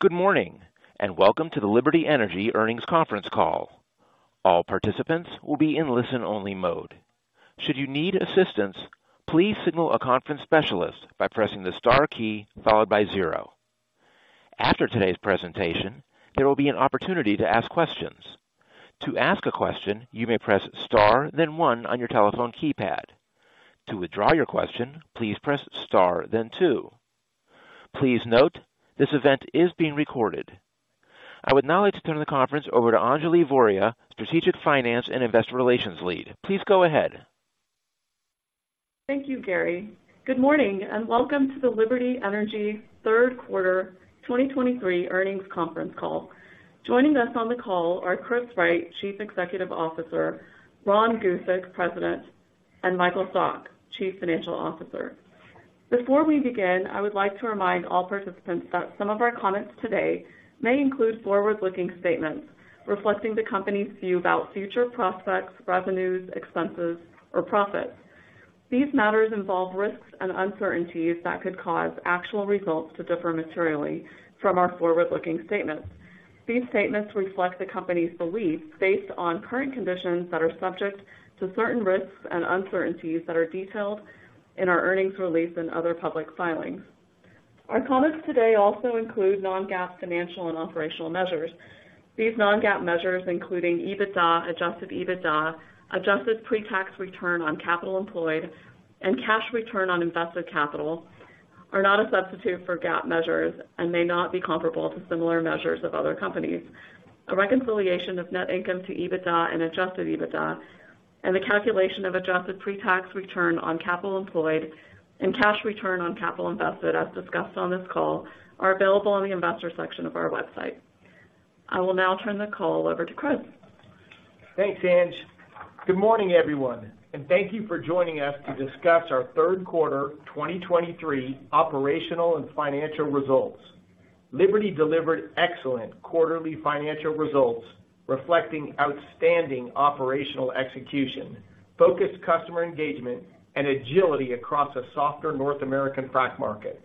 Good morning, and welcome to the Liberty Energy Earnings Conference Call. All participants will be in listen-only mode. Should you need assistance, please signal a conference specialist by pressing the star key followed by zero. After today's presentation, there will be an opportunity to ask questions. To ask a question, you may press star, then one on your telephone keypad. To withdraw your question, please press star then two. Please note, this event is being recorded. I would now like to turn the conference over to Anjali Voria, Strategic Finance and Investor Relations Lead. Please go ahead. Thank you, Gary. Good morning, and welcome to the Liberty Energy third quarter 2023 earnings conference call. Joining us on the call are Chris Wright, Chief Executive Officer, Ron Gusek, President, and Michael Stock, Chief Financial Officer. Before we begin, I would like to remind all participants that some of our comments today may include forward-looking statements reflecting the company's view about future prospects, revenues, expenses, or profits. These matters involve risks and uncertainties that could cause actual results to differ materially from our forward-looking statements. These statements reflect the company's beliefs based on current conditions that are subject to certain risks and uncertainties that are detailed in our earnings release and other public filings. Our comments today also include non-GAAP financial and operational measures. These non-GAAP measures, including EBITDA, adjusted EBITDA, adjusted pre-tax return on capital employed, and cash return on invested capital, are not a substitute for GAAP measures and may not be comparable to similar measures of other companies. A reconciliation of net income to EBITDA and adjusted EBITDA, and the calculation of adjusted pre-tax return on capital employed and cash return on capital invested, as discussed on this call, are available on the Investors section of our website. I will now turn the call over to Chris. Thanks, Anj. Good morning, everyone, and thank you for joining us to discuss our third quarter 2023 operational and financial results. Liberty delivered excellent quarterly financial results, reflecting outstanding operational execution, focused customer engagement, and agility across a softer North American frac market.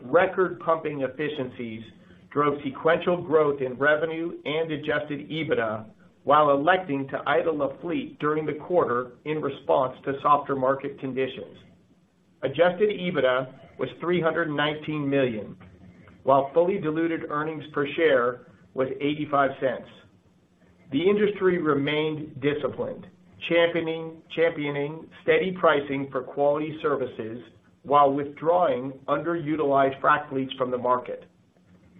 Record pumping efficiencies drove sequential growth in revenue and adjusted EBITDA, while electing to idle a fleet during the quarter in response to softer market conditions. Adjusted EBITDA was $319 million, while fully diluted earnings per share was $0.85. The industry remained disciplined, championing steady pricing for quality services while withdrawing underutilized frac fleets from the market.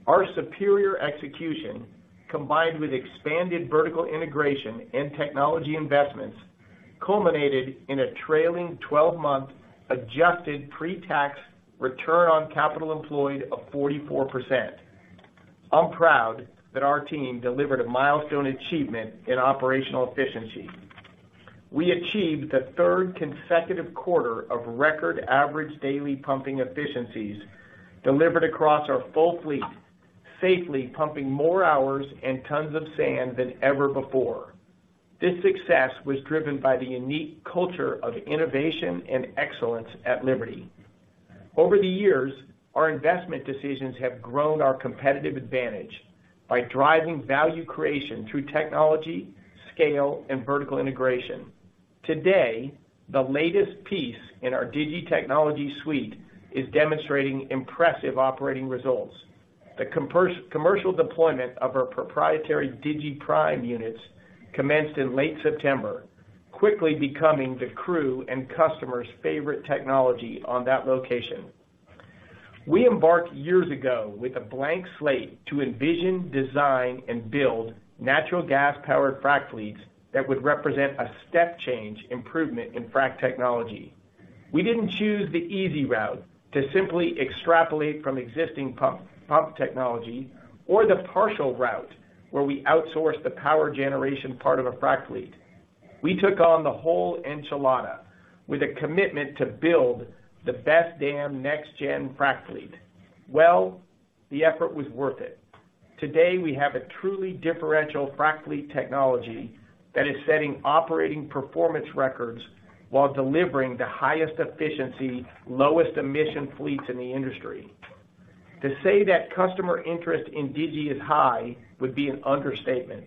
Our superior execution, combined with expanded vertical integration and technology investments, culminated in a trailing 12-month adjusted pre-tax return on capital employed of 44%. I'm proud that our team delivered a milestone achievement in operational efficiency. We achieved the third consecutive quarter of record average daily pumping efficiencies delivered across our full fleet, safely pumping more hours and tons of sand than ever before. This success was driven by the unique culture of innovation and excellence at Liberty. Over the years, our investment decisions have grown our competitive advantage by driving value creation through technology, scale, and vertical integration. Today, the latest piece in our digiTechnologies suite is demonstrating impressive operating results. The commercial deployment of our proprietary digiPrime units commenced in late September, quickly becoming the crew and customers' favorite technology on that location. We embarked years ago with a blank slate to envision, design, and build natural gas-powered frac fleets that would represent a step change improvement in frac technology. We didn't choose the easy route to simply extrapolate from existing pump technology or the partial route, where we outsource the power generation part of a frac fleet. We took on the whole enchilada with a commitment to build the best damn next-gen frac fleet. Well, the effort was worth it. Today, we have a truly differential frac fleet technology that is setting operating performance records while delivering the highest efficiency, lowest emission fleets in the industry. To say that customer interest in digi is high would be an understatement.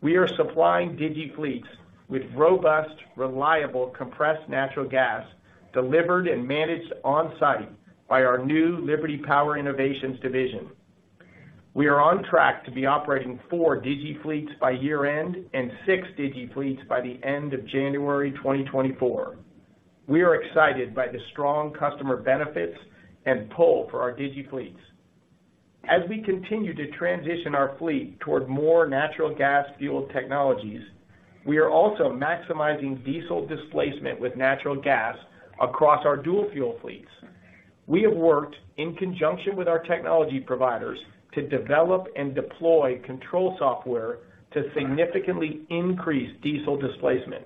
We are supplying digiFleets with robust, reliable, compressed natural gas, delivered and managed on-site by our new Liberty Power Innovations division. We are on track to be operating four digiFleets by year-end and six digiFleets by the end of January 2024. We are excited by the strong customer benefits and pull for our digiFleets. As we continue to transition our fleet toward more natural gas fueled technologies, we are also maximizing diesel displacement with natural gas across our dual fuel fleets. We have worked in conjunction with our technology providers to develop and deploy control software to significantly increase diesel displacement.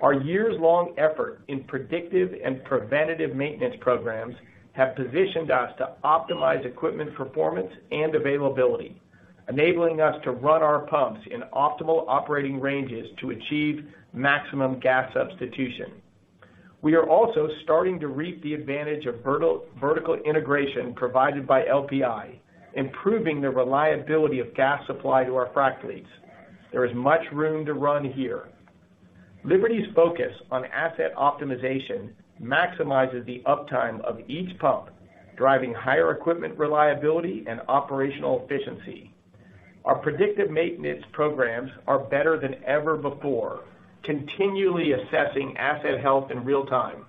Our years-long effort in predictive and preventative maintenance programs have positioned us to optimize equipment performance and availability, enabling us to run our pumps in optimal operating ranges to achieve maximum gas substitution. We are also starting to reap the advantage of vertical integration provided by LPI, improving the reliability of gas supply to our frac fleets. There is much room to run here. Liberty's focus on asset optimization maximizes the uptime of each pump, driving higher equipment reliability and operational efficiency. Our predictive maintenance programs are better than ever before, continually assessing asset health in real time.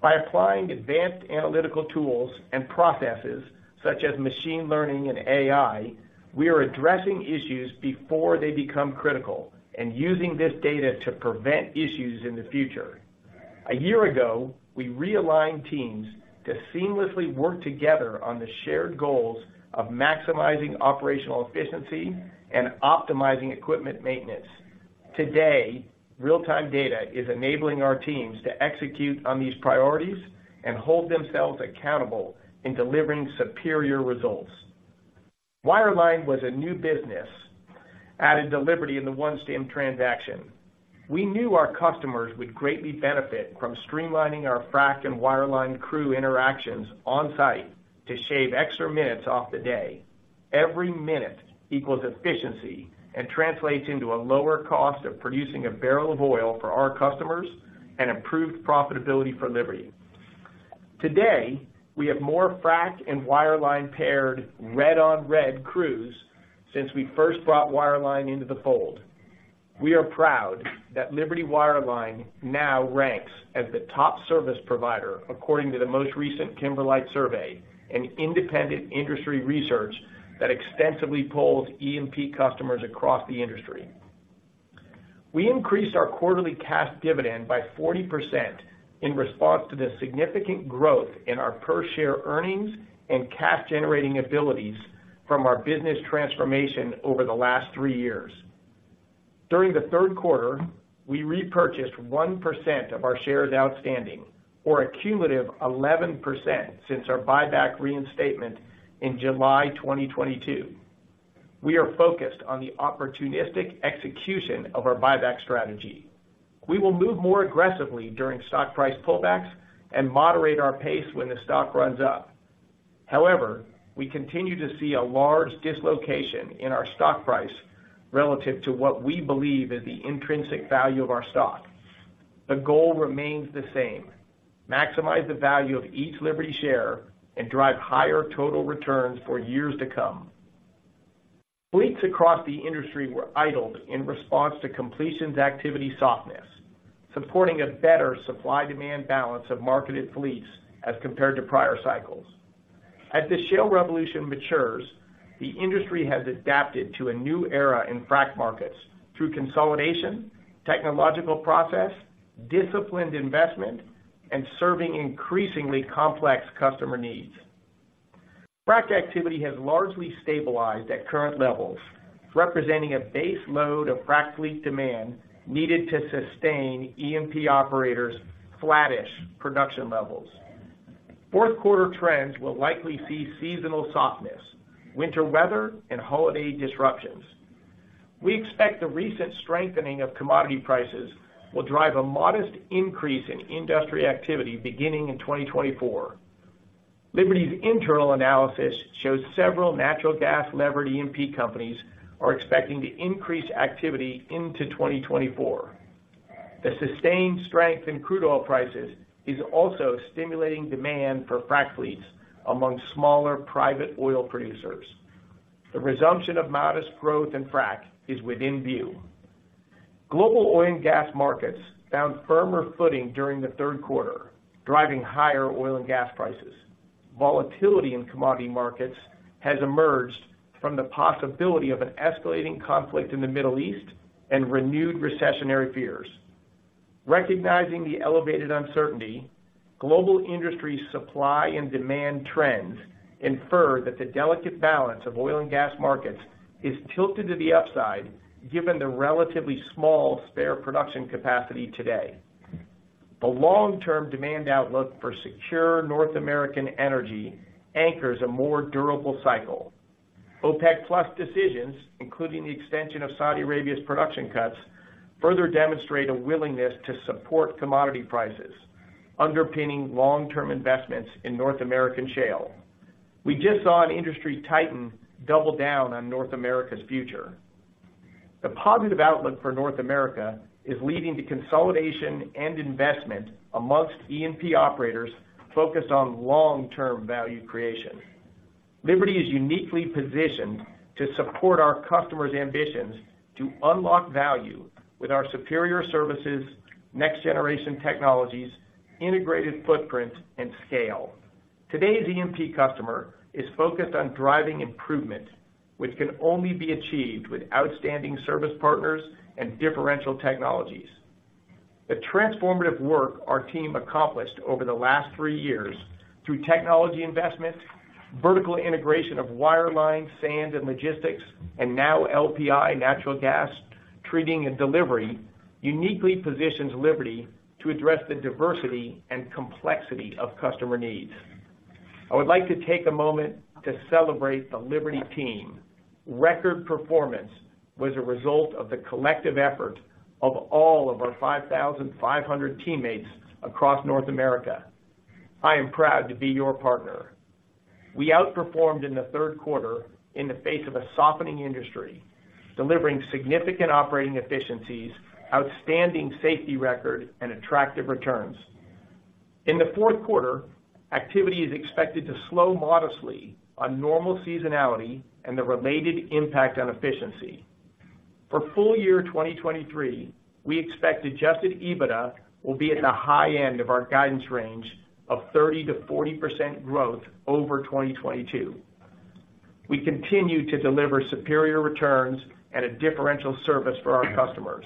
By applying advanced analytical tools and processes, such as machine learning and AI, we are addressing issues before they become critical, and using this data to prevent issues in the future. A year ago, we realigned teams to seamlessly work together on the shared goals of maximizing operational efficiency and optimizing equipment maintenance. Today, real-time data is enabling our teams to execute on these priorities and hold themselves accountable in delivering superior results. Wireline was a new business, added to Liberty in the OneStim transaction. We knew our customers would greatly benefit from streamlining our frac and wireline crew interactions on site to shave extra minutes off the day. Every minute equals efficiency and translates into a lower cost of producing a barrel of oil for our customers and improved profitability for Liberty. Today, we have more frac and wireline paired red on red crews since we first brought wireline into the fold. We are proud that Liberty Wireline now ranks as the top service provider, according to the most recent Kimberlite survey, an independent industry research that extensively polls E&P customers across the industry. We increased our quarterly cash dividend by 40% in response to the significant growth in our per share earnings and cash generating abilities from our business transformation over the last three years. During the third quarter, we repurchased 1% of our shares outstanding, or a cumulative 11% since our buyback reinstatement in July 2022. We are focused on the opportunistic execution of our buyback strategy. We will move more aggressively during stock price pullbacks and moderate our pace when the stock runs up. However, we continue to see a large dislocation in our stock price relative to what we believe is the intrinsic value of our stock. The goal remains the same: maximize the value of each Liberty share and drive higher total returns for years to come. Fleets across the industry were idled in response to completions activity softness, supporting a better supply-demand balance of marketed fleets as compared to prior cycles. As the shale revolution matures, the industry has adapted to a new era in frac markets through consolidation, technological process, disciplined investment, and serving increasingly complex customer needs. Frac activity has largely stabilized at current levels, representing a base load of frac fleet demand needed to sustain E&P operators' flattish production levels. Fourth quarter trends will likely see seasonal softness, winter weather, and holiday disruptions. We expect the recent strengthening of commodity prices will drive a modest increase in industry activity beginning in 2024. Liberty's internal analysis shows several natural gas-levered E&P companies are expecting to increase activity into 2024. The sustained strength in crude oil prices is also stimulating demand for frac fleets among smaller private oil producers. The resumption of modest growth in frac is within view. Global oil and gas markets found firmer footing during the third quarter, driving higher oil and gas prices. Volatility in commodity markets has emerged from the possibility of an escalating conflict in the Middle East and renewed recessionary fears. Recognizing the elevated uncertainty, global industry supply and demand trends infer that the delicate balance of oil and gas markets is tilted to the upside, given the relatively small spare production capacity today. The long-term demand outlook for secure North American energy anchors a more durable cycle. OPEC+ decisions, including the extension of Saudi Arabia's production cuts, further demonstrate a willingness to support commodity prices, underpinning long-term investments in North American shale. We just saw an industry titan double down on North America's future. The positive outlook for North America is leading to consolidation and investment among E&P operators focused on long-term value creation. Liberty is uniquely positioned to support our customers' ambitions to unlock value with our superior services, next-generation technologies, integrated footprint, and scale. Today's E&P customer is focused on driving improvement, which can only be achieved with outstanding service partners and differential technologies. The transformative work our team accomplished over the last three years through technology investment, vertical integration of wireline, sand, and logistics, and now LPI natural gas,...treating and delivery uniquely positions Liberty to address the diversity and complexity of customer needs. I would like to take a moment to celebrate the Liberty team. Record performance was a result of the collective effort of all of our 5,500 teammates across North America. I am proud to be your partner. We outperformed in the third quarter in the face of a softening industry, delivering significant operating efficiencies, outstanding safety record, and attractive returns. In the fourth quarter, activity is expected to slow modestly on normal seasonality and the related impact on efficiency. For full year 2023, we expect adjusted EBITDA will be at the high end of our guidance range of 30%-40% growth over 2022. We continue to deliver superior returns and a differential service for our customers.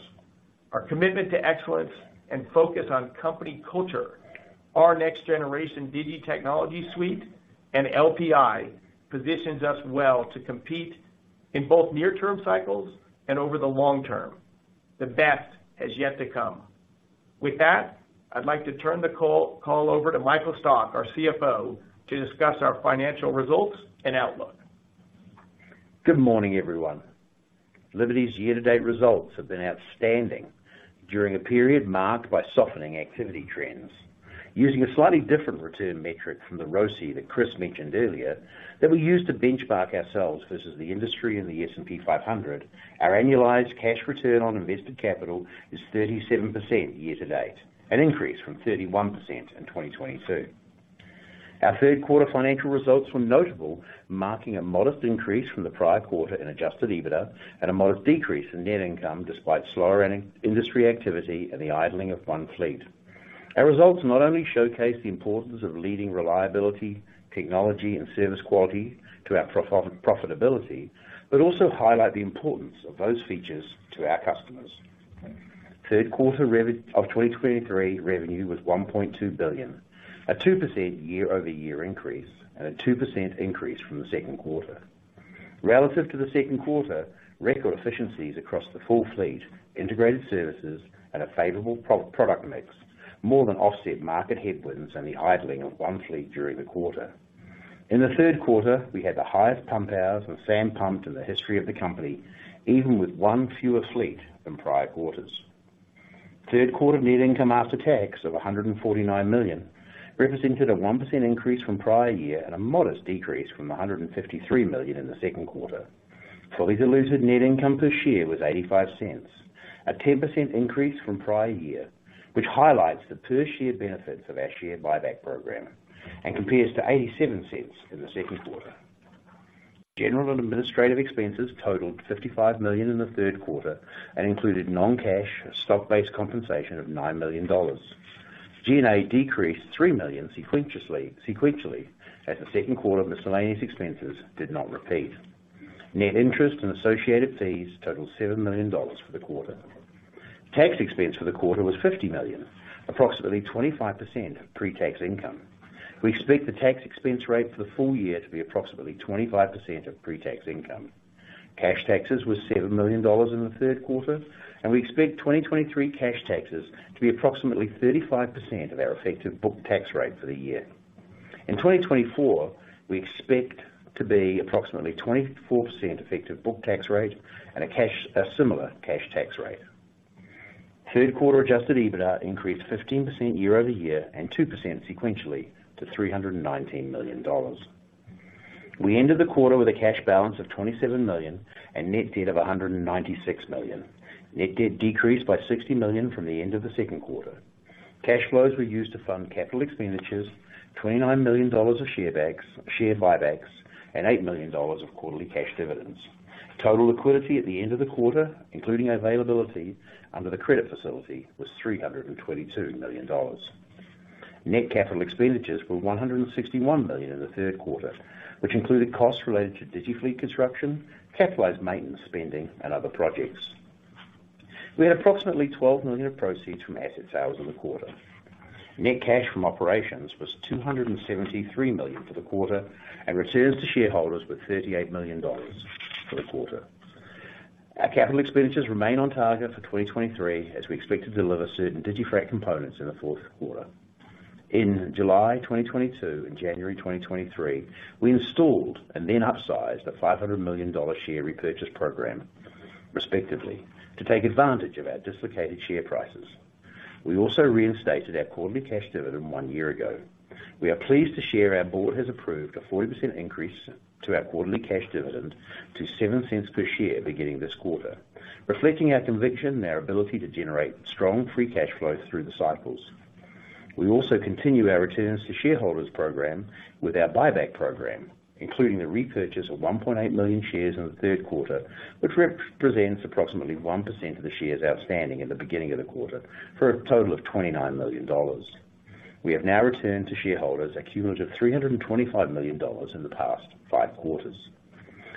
Our commitment to excellence and focus on company culture, our next generation digiTechnologies suite, and LPI positions us well to compete in both near-term cycles and over the long term. The best has yet to come. With that, I'd like to turn the call over to Michael Stock, our CFO, to discuss our financial results and outlook. Good morning, everyone. Liberty's year-to-date results have been outstanding during a period marked by softening activity trends. Using a slightly different return metric from the ROCE that Chris mentioned earlier, that we use to benchmark ourselves versus the industry and the S&P 500, our annualized cash return on invested capital is 37% year to date, an increase from 31% in 2022. Our third quarter financial results were notable, marking a modest increase from the prior quarter in adjusted EBITDA and a modest decrease in net income, despite slower industry activity and the idling of one fleet. Our results not only showcase the importance of leading reliability, technology, and service quality to our profitability, but also highlight the importance of those features to our customers. Third quarter revenue of 2023, revenue was $1.2 billion, a 2% year-over-year increase and a 2% increase from the second quarter. Relative to the second quarter, record efficiencies across the full fleet, integrated services and a favorable product mix, more than offset market headwinds and the idling of one fleet during the quarter. In the third quarter, we had the highest pump hours of sand pumped in the history of the company, even with one fewer fleet than prior quarters. Third quarter net income after tax of $149 million, represented a 1% increase from prior year and a modest decrease from $153 million in the second quarter. Fully diluted net income per share was $0.85, a 10% increase from prior year, which highlights the per-share benefits of our share buyback program and compares to $0.87 in the second quarter. General and administrative expenses totaled $55 million in the third quarter and included non-cash stock-based compensation of $9 million. G&A decreased $3 million sequentially as the second quarter miscellaneous expenses did not repeat. Net interest and associated fees totaled $7 million for the quarter. Tax expense for the quarter was $50 million, approximately 25% of pre-tax income. We expect the tax expense rate for the full year to be approximately 25% of pre-tax income. Cash taxes were $7 million in the third quarter, and we expect 2023 cash taxes to be approximately 35% of our effective book tax rate for the year. In 2024, we expect to be approximately 24% effective book tax rate and a similar cash tax rate. Third quarter adjusted EBITDA increased 15% year-over-year and 2% sequentially to $319 million. We ended the quarter with a cash balance of $27 million and net debt of $196 million. Net debt decreased by $60 million from the end of the second quarter. Cash flows were used to fund capital expenditures, $29 million of share buybacks, and $8 million of quarterly cash dividends. Total liquidity at the end of the quarter, including availability under the credit facility, was $322 million. Net capital expenditures were $161 million in the third quarter, which included costs related to digiFleet construction, capitalized maintenance spending, and other projects. We had approximately $12 million of proceeds from asset sales in the quarter. Net cash from operations was $273 million for the quarter, and returns to shareholders were $38 million for the quarter. Our capital expenditures remain on target for 2023, as we expect to deliver certain digiFrac components in the fourth quarter. In July 2022 and January 2023, we installed and then upsized a $500 million share repurchase program, respectively, to take advantage of our dislocated share prices. We also reinstated our quarterly cash dividend one year ago. We are pleased to share our Board has approved a 40% increase to our quarterly cash dividend to $0.07 per share beginning this quarter, reflecting our conviction and our ability to generate strong free cash flow through the cycles. We also continue our returns to shareholders program with our buyback program, including the repurchase of 1.8 million shares in the third quarter, which represents approximately 1% of the shares outstanding at the beginning of the quarter, for a total of $29 million. We have now returned to shareholders a cumulative $325 million in the past five quarters.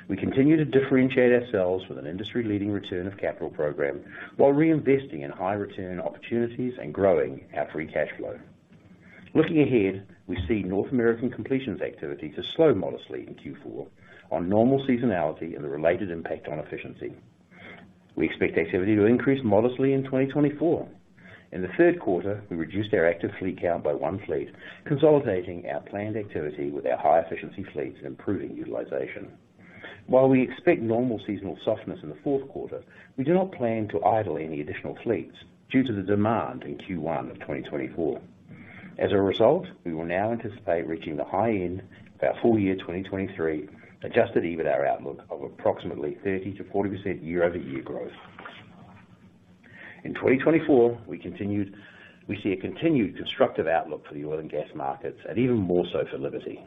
We continue to differentiate ourselves with an industry-leading return of capital program while reinvesting in high return opportunities and growing our free cash flow.... Looking ahead, we see North American completions activity to slow modestly in Q4 on normal seasonality and the related impact on efficiency. We expect activity to increase modestly in 2024. In the third quarter, we reduced our active fleet count by one fleet, consolidating our planned activity with our high-efficiency fleets, improving utilization. While we expect normal seasonal softness in the fourth quarter, we do not plan to idle any additional fleets due to the demand in Q1 of 2024. As a result, we will now anticipate reaching the high end of our full year 2023 adjusted EBITDA outlook of approximately 30%-40% year-over-year growth. In 2024, we see a continued constructive outlook for the oil and gas markets and even more so for Liberty.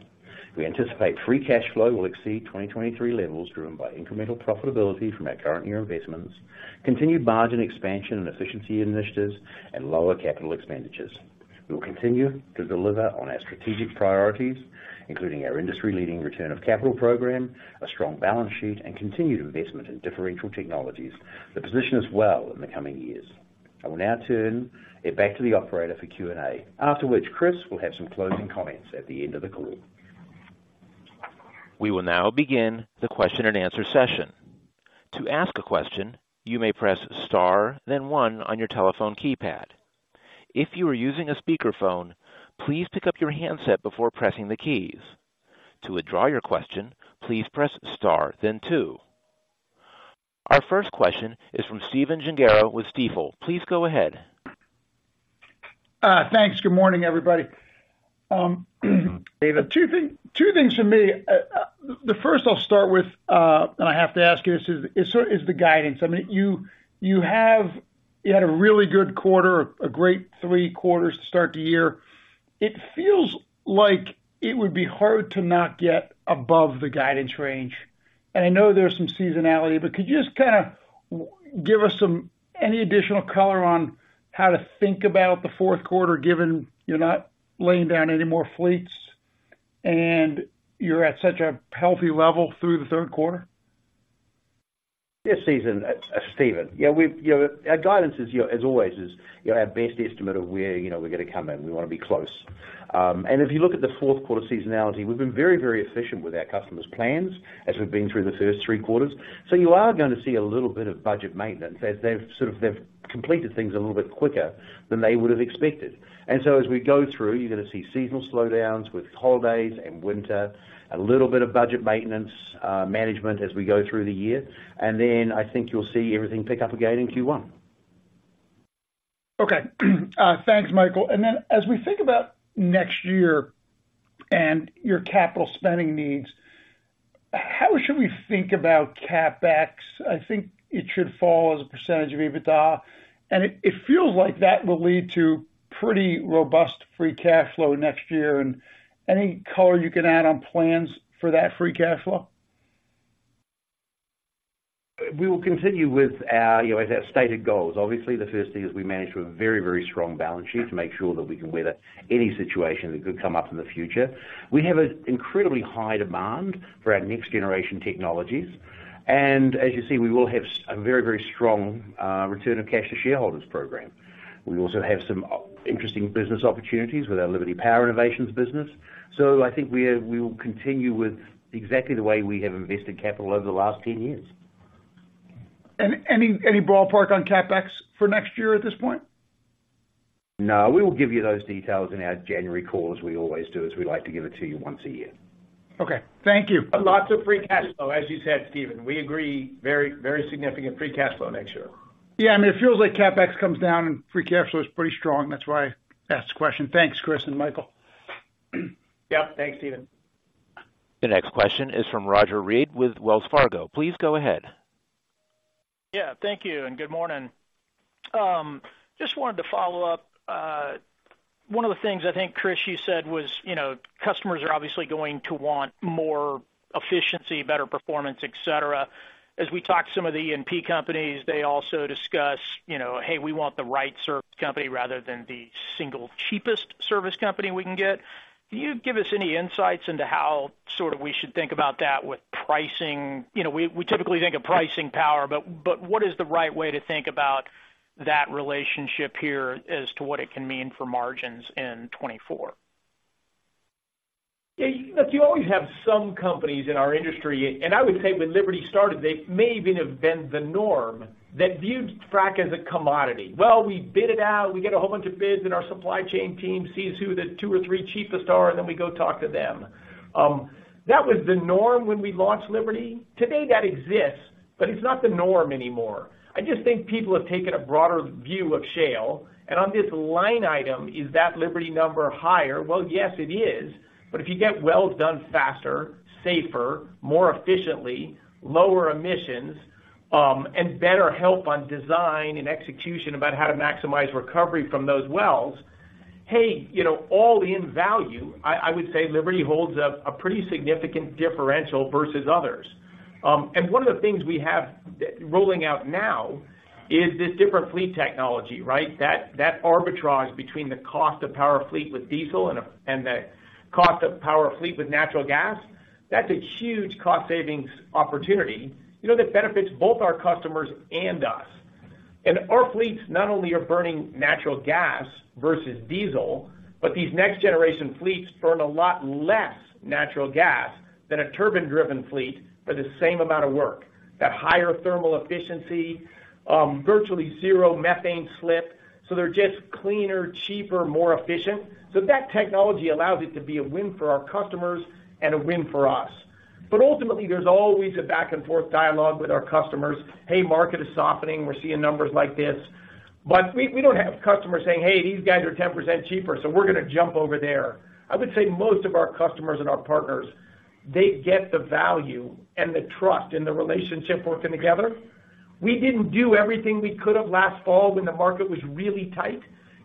We anticipate free cash flow will exceed 2023 levels, driven by incremental profitability from our current year investments, continued margin expansion and efficiency initiatives, and lower capital expenditures. We will continue to deliver on our strategic priorities, including our industry-leading return of capital program, a strong balance sheet, and continued investment in differential technologies that position us well in the coming years. I will now turn it back to the operator for Q&A, after which Chris will have some closing comments at the end of the call. We will now begin the question-and-answer session. To ask a question, you may press star, then one on your telephone keypad. If you are using a speakerphone, please pick up your handset before pressing the keys. To withdraw your question, please press star then two. Our first question is from Stephen Gengaro with Stifel. Please go ahead. Thanks. Good morning, everybody. Two things, two things for me. The first I'll start with, and I have to ask you this, is the guidance. I mean, you had a really good quarter, a great three quarters to start the year. It feels like it would be hard to not get above the guidance range. And I know there's some seasonality, but could you just kinda give us some... any additional color on how to think about the fourth quarter, given you're not laying down any more fleets, and you're at such a healthy level through the third quarter? Yes, season. Stephen, yeah, we've, you know, our guidance is, you know, as always, is, you know, our best estimate of where, you know, we're gonna come in. We want to be close. And if you look at the fourth quarter seasonality, we've been very, very efficient with our customers' plans as we've been through the first three quarters. So you are going to see a little bit of budget maintenance as they've sort of, they've completed things a little bit quicker than they would have expected. And so as we go through, you're gonna see seasonal slowdowns with holidays and winter, a little bit of budget maintenance, management, as we go through the year. And then I think you'll see everything pick up again in Q1. Okay. Thanks, Michael. And then as we think about next year and your capital spending needs, how should we think about CapEx? I think it should fall as a percentage of EBITDA, and it feels like that will lead to pretty robust free cash flow next year. And any color you can add on plans for that free cash flow? We will continue with our, you know, as our stated goals. Obviously, the first thing is we manage with a very, very strong balance sheet to make sure that we can weather any situation that could come up in the future. We have an incredibly high demand for our next-generation technologies, and as you see, we will have a very, very strong return of cash to shareholders program. We also have some interesting business opportunities with our Liberty Power Innovations business. So I think we will continue with exactly the way we have invested capital over the last 10 years. Any ballpark on CapEx for next year at this point? No, we will give you those details in our January call, as we always do, as we like to give it to you once a year. Okay. Thank you. Lots of free cash flow, as you said, Stephen. We agree, very, very significant free cash flow next year. Yeah, I mean, it feels like CapEx comes down and free cash flow is pretty strong. That's why I asked the question. Thanks, Chris and Michael. Yep, thanks, Stephen. The next question is from Roger Read with Wells Fargo. Please go ahead. Yeah, thank you, and good morning. Just wanted to follow up. One of the things I think, Chris, you said was, you know, customers are obviously going to want more efficiency, better performance, et cetera. As we talk to some of the E&P companies, they also discuss, you know, "Hey, we want the right service company rather than the single cheapest service company we can get." Can you give us any insights into how sort of we should think about that with pricing? You know, we typically think of pricing power, but what is the right way to think about that relationship here as to what it can mean for margins in 2024? Yeah, look, you always have some companies in our industry, and I would say when Liberty started, they may even have been the norm, that viewed frac as a commodity. Well, we bid it out, we get a whole bunch of bids, and our supply chain team sees who the two or three cheapest are, and then we go talk to them. That was the norm when we launched Liberty. Today, that exists, but it's not the norm anymore. I just think people have taken a broader view of shale, and on this line item, is that Liberty number higher? Well, yes, it is. But if you get wells done faster, safer, more efficiently, lower emissions, and better help on design and execution about how to maximize recovery from those wells, hey, you know, all in value, I would say Liberty holds a pretty significant differential versus others. And one of the things we have rolling out now is this different fleet technology, right? That arbitrage between the cost of power fleet with diesel and the cost of power fleet with natural gas, that's a huge cost savings opportunity. You know, that benefits both our customers and us. And our fleets not only are burning natural gas versus diesel, but these next generation fleets burn a lot less natural gas than a turbine-driven fleet for the same amount of work. That higher thermal efficiency, virtually zero methane slip, so they're just cleaner, cheaper, more efficient. So that technology allows it to be a win for our customers and a win for us. But ultimately, there's always a back and forth dialogue with our customers. "Hey, market is softening. We're seeing numbers like this." But we, we don't have customers saying, "Hey, these guys are 10% cheaper, so we're gonna jump over there." I would say most of our customers and our partners, they get the value and the trust and the relationship working together. We didn't do everything we could have last fall when the market was really tight.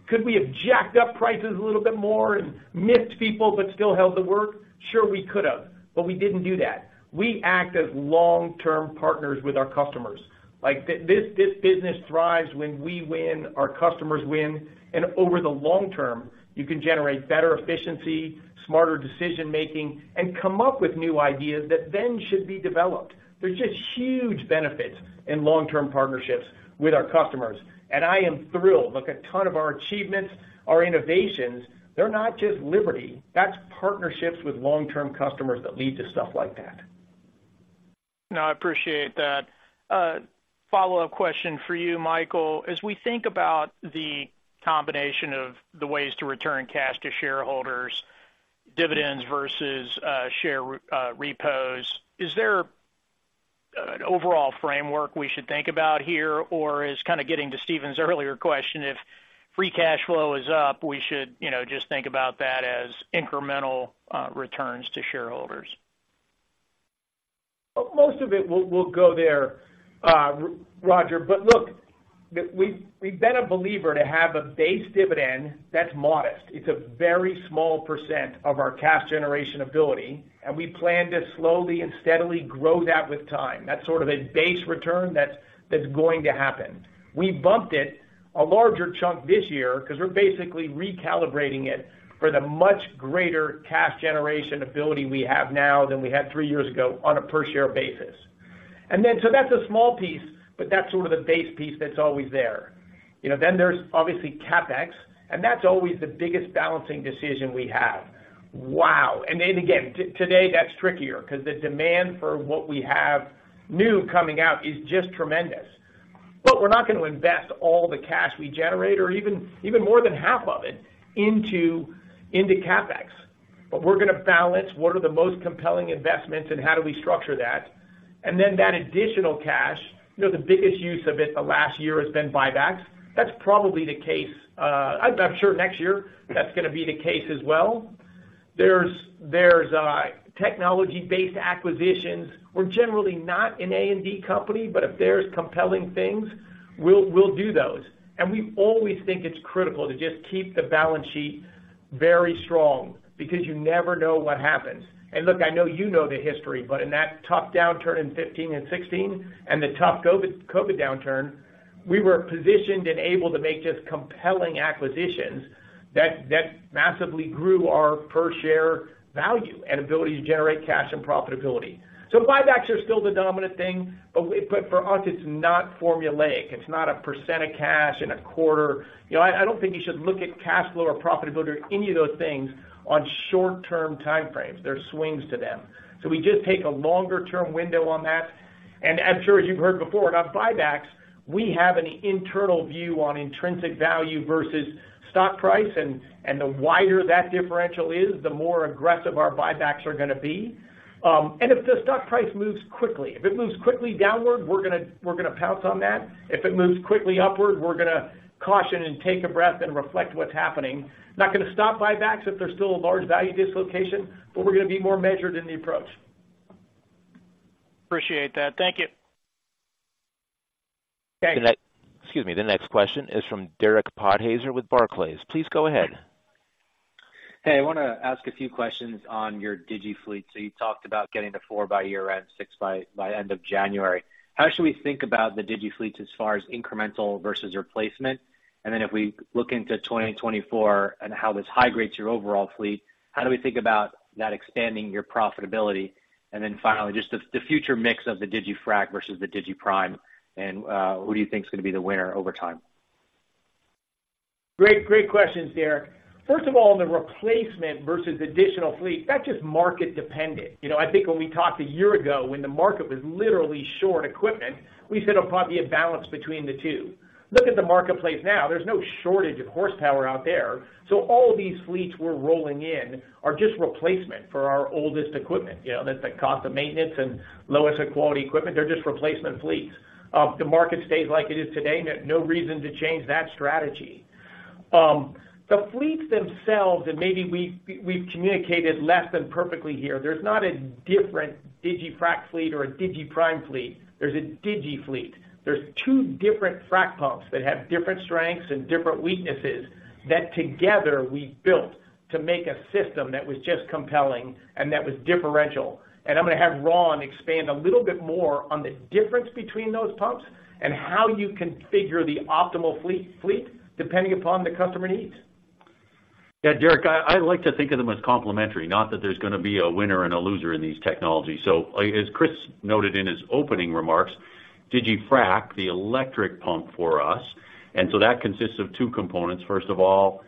Could we have jacked up prices a little bit more and missed people, but still held the work? Sure, we could have, but we didn't do that. We act as long-term partners with our customers. Like, this business thrives when we win, our customers win, and over the long term, you can generate better efficiency, smarter decision making, and come up with new ideas that then should be developed. There's just huge benefits in long-term partnerships with our customers, and I am thrilled. Look, a ton of our achievements, our innovations, they're not just Liberty. That's partnerships with long-term customers that lead to stuff like that. No, I appreciate that. Follow-up question for you, Michael. As we think about the combination of the ways to return cash to shareholders, dividends versus share repos, is there an overall framework we should think about here? Or is kind of getting to Stephen's earlier question, if free cash flow is up, we should, you know, just think about that as incremental returns to shareholders? Well, most of it will go there, Roger. But look, we've been a believer to have a base dividend that's modest. It's a very small percent of our cash generation ability, and we plan to slowly and steadily grow that with time. That's sort of a base return that's going to happen. We bumped it a larger chunk this year because we're basically recalibrating it for the much greater cash generation ability we have now than we had three years ago on a per share basis. And then, so that's a small piece, but that's sort of the base piece that's always there. You know, then there's obviously CapEx, and that's always the biggest balancing decision we have. Wow! And then again, today, that's trickier because the demand for what we have new coming out is just tremendous. But we're not gonna invest all the cash we generate, or even, even more than half of it, into, into CapEx. But we're gonna balance what are the most compelling investments and how do we structure that. And then that additional cash, you know, the biggest use of it the last year has been buybacks. That's probably the case. I'm sure next year, that's gonna be the case as well. There's technology-based acquisitions. We're generally not an A&D company, but if there's compelling things, we'll do those. And we always think it's critical to just keep the balance sheet very strong because you never know what happens. Look, I know you know the history, but in that tough downturn in 2015 and 2016 and the tough COVID, COVID downturn, we were positioned and able to make just compelling acquisitions that massively grew our per share value and ability to generate cash and profitability. Buybacks are still the dominant thing, but for us, it's not formulaic. It's not a percent of cash in a quarter. You know, I don't think you should look at cash flow or profitability or any of those things on short-term time frames. There are swings to them. We just take a longer term window on that. I'm sure, as you've heard before, on buybacks, we have an internal view on intrinsic value versus stock price, and the wider that differential is, the more aggressive our buybacks are gonna be. And if the stock price moves quickly, if it moves quickly downward, we're gonna pounce on that. If it moves quickly upward, we're gonna caution and take a breath and reflect what's happening. Not gonna stop buybacks if there's still a large value dislocation, but we're gonna be more measured in the approach. Appreciate that. Thank you. Okay. Excuse me. The next question is from Derek Podhaizer with Barclays. Please go ahead. Hey, I wanna ask a few questions on your digiFleet. So you talked about getting to four by year-end, six by end of January. How should we think about the digiFleets as far as incremental versus replacement? And then if we look into 2024 and how this high grades your overall fleet, how do we think about that expanding your profitability? And then finally, just the future mix of the digiFrac versus the digiPrime, and who do you think is gonna be the winner over time? Great, great questions, Derek. First of all, in the replacement versus additional fleet, that's just market dependent. You know, I think when we talked a year ago, when the market was literally short equipment, we said it'll probably be a balance between the two. Look at the marketplace now, there's no shortage of horsepower out there, so all of these fleets we're rolling in are just replacement for our oldest equipment. You know, that's the cost of maintenance and lower quality equipment. They're just replacement fleets. The market stays like it is today, no reason to change that strategy. The fleets themselves, and maybe we've communicated less than perfectly here, there's not a different digiFrac fleet or a digiPrime fleet. There's a digiFleet. There's two different frac pumps that have different strengths and different weaknesses that together we built to make a system that was just compelling and that was differential. I'm gonna have Ron expand a little bit more on the difference between those pumps and how you configure the optimal fleet, fleet depending upon the customer needs.... Yeah, Derek, I like to think of them as complementary, not that there's gonna be a winner and a loser in these technologies. So, as Chris noted in his opening remarks, digiFrac, the electric pump for us, and so that consists of two components. First of all,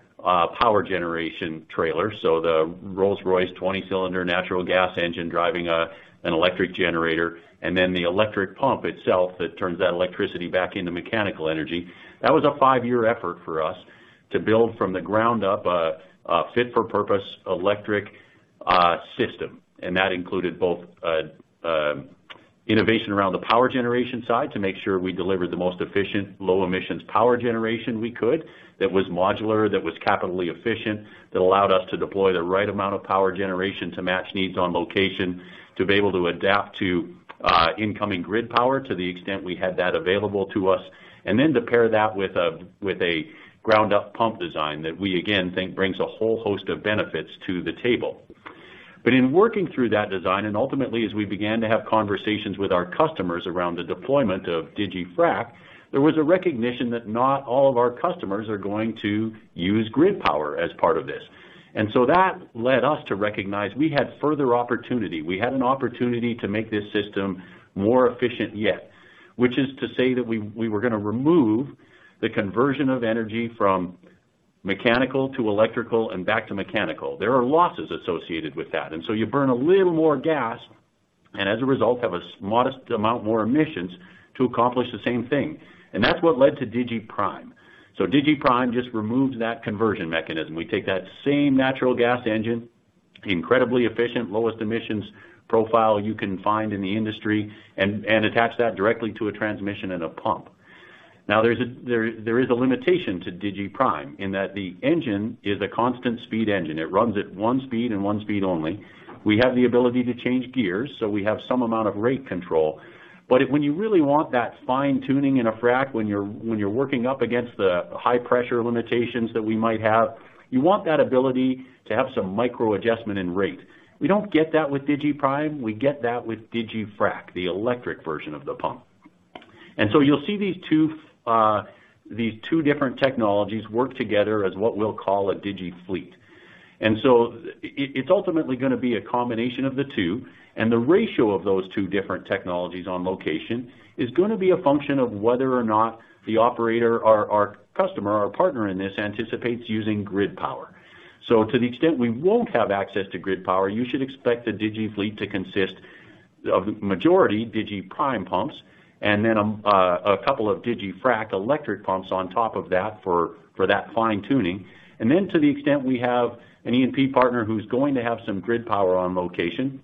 power generation trailer, so the Rolls-Royce 20-cylinder natural gas engine driving an electric generator, and then the electric pump itself that turns that electricity back into mechanical energy. That was a five-year effort for us to build from the ground up a fit-for-purpose electric system. And that included both innovation around the power generation side to make sure we delivered the most efficient, low emissions power generation we could, that was modular, that was capitally efficient, that allowed us to deploy the right amount of power generation to match needs on location, to be able to adapt to incoming grid power to the extent we had that available to us. And then to pair that with a ground-up pump design that we again think brings a whole host of benefits to the table. But in working through that design, and ultimately, as we began to have conversations with our customers around the deployment of digiFrac, there was a recognition that not all of our customers are going to use grid power as part of this. And so that led us to recognize we had further opportunity. We had an opportunity to make this system more efficient, yet, which is to say that we were gonna remove the conversion of energy from mechanical to electrical and back to mechanical. There are losses associated with that, and so you burn a little more gas, and as a result, have a modest amount more emissions to accomplish the same thing. That's what led to digiPrime. So digiPrime just removes that conversion mechanism. We take that same natural gas engine, incredibly efficient, lowest emissions profile you can find in the industry, and attach that directly to a transmission and a pump. Now, there's a limitation to digiPrime, in that the engine is a constant speed engine. It runs at one speed and one speed only. We have the ability to change gears, so we have some amount of rate control. But when you really want that fine-tuning in a frac, when you're, when you're working up against the high pressure limitations that we might have, you want that ability to have some micro adjustment in rate. We don't get that with digiPrime, we get that with digiFrac, the electric version of the pump. And so you'll see these two different technologies work together as what we'll call a digiFleet. And so it's ultimately gonna be a combination of the two, and the ratio of those two different technologies on location is gonna be a function of whether or not the operator or our customer, our partner in this, anticipates using grid power. So to the extent we won't have access to grid power, you should expect the digiFleet to consist of majority digiPrime pumps, and then a couple of digiFrac electric pumps on top of that for that fine-tuning. And then to the extent we have an E&P partner who's going to have some grid power on location,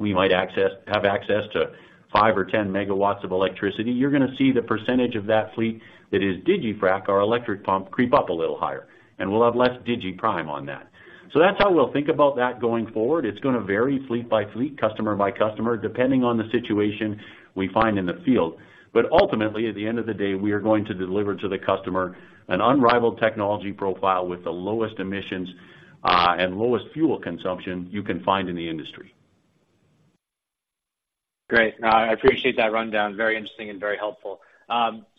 we might have access to 5 MW or 10 MW of electricity. You're gonna see the percentage of that fleet that is digiFrac, our electric pump, creep up a little higher, and we'll have less digiPrime on that. So that's how we'll think about that going forward. It's gonna vary fleet by fleet, customer by customer, depending on the situation we find in the field. Ultimately, at the end of the day, we are going to deliver to the customer an unrivaled technology profile with the lowest emissions, and lowest fuel consumption you can find in the industry. Great. No, I appreciate that rundown. Very interesting and very helpful.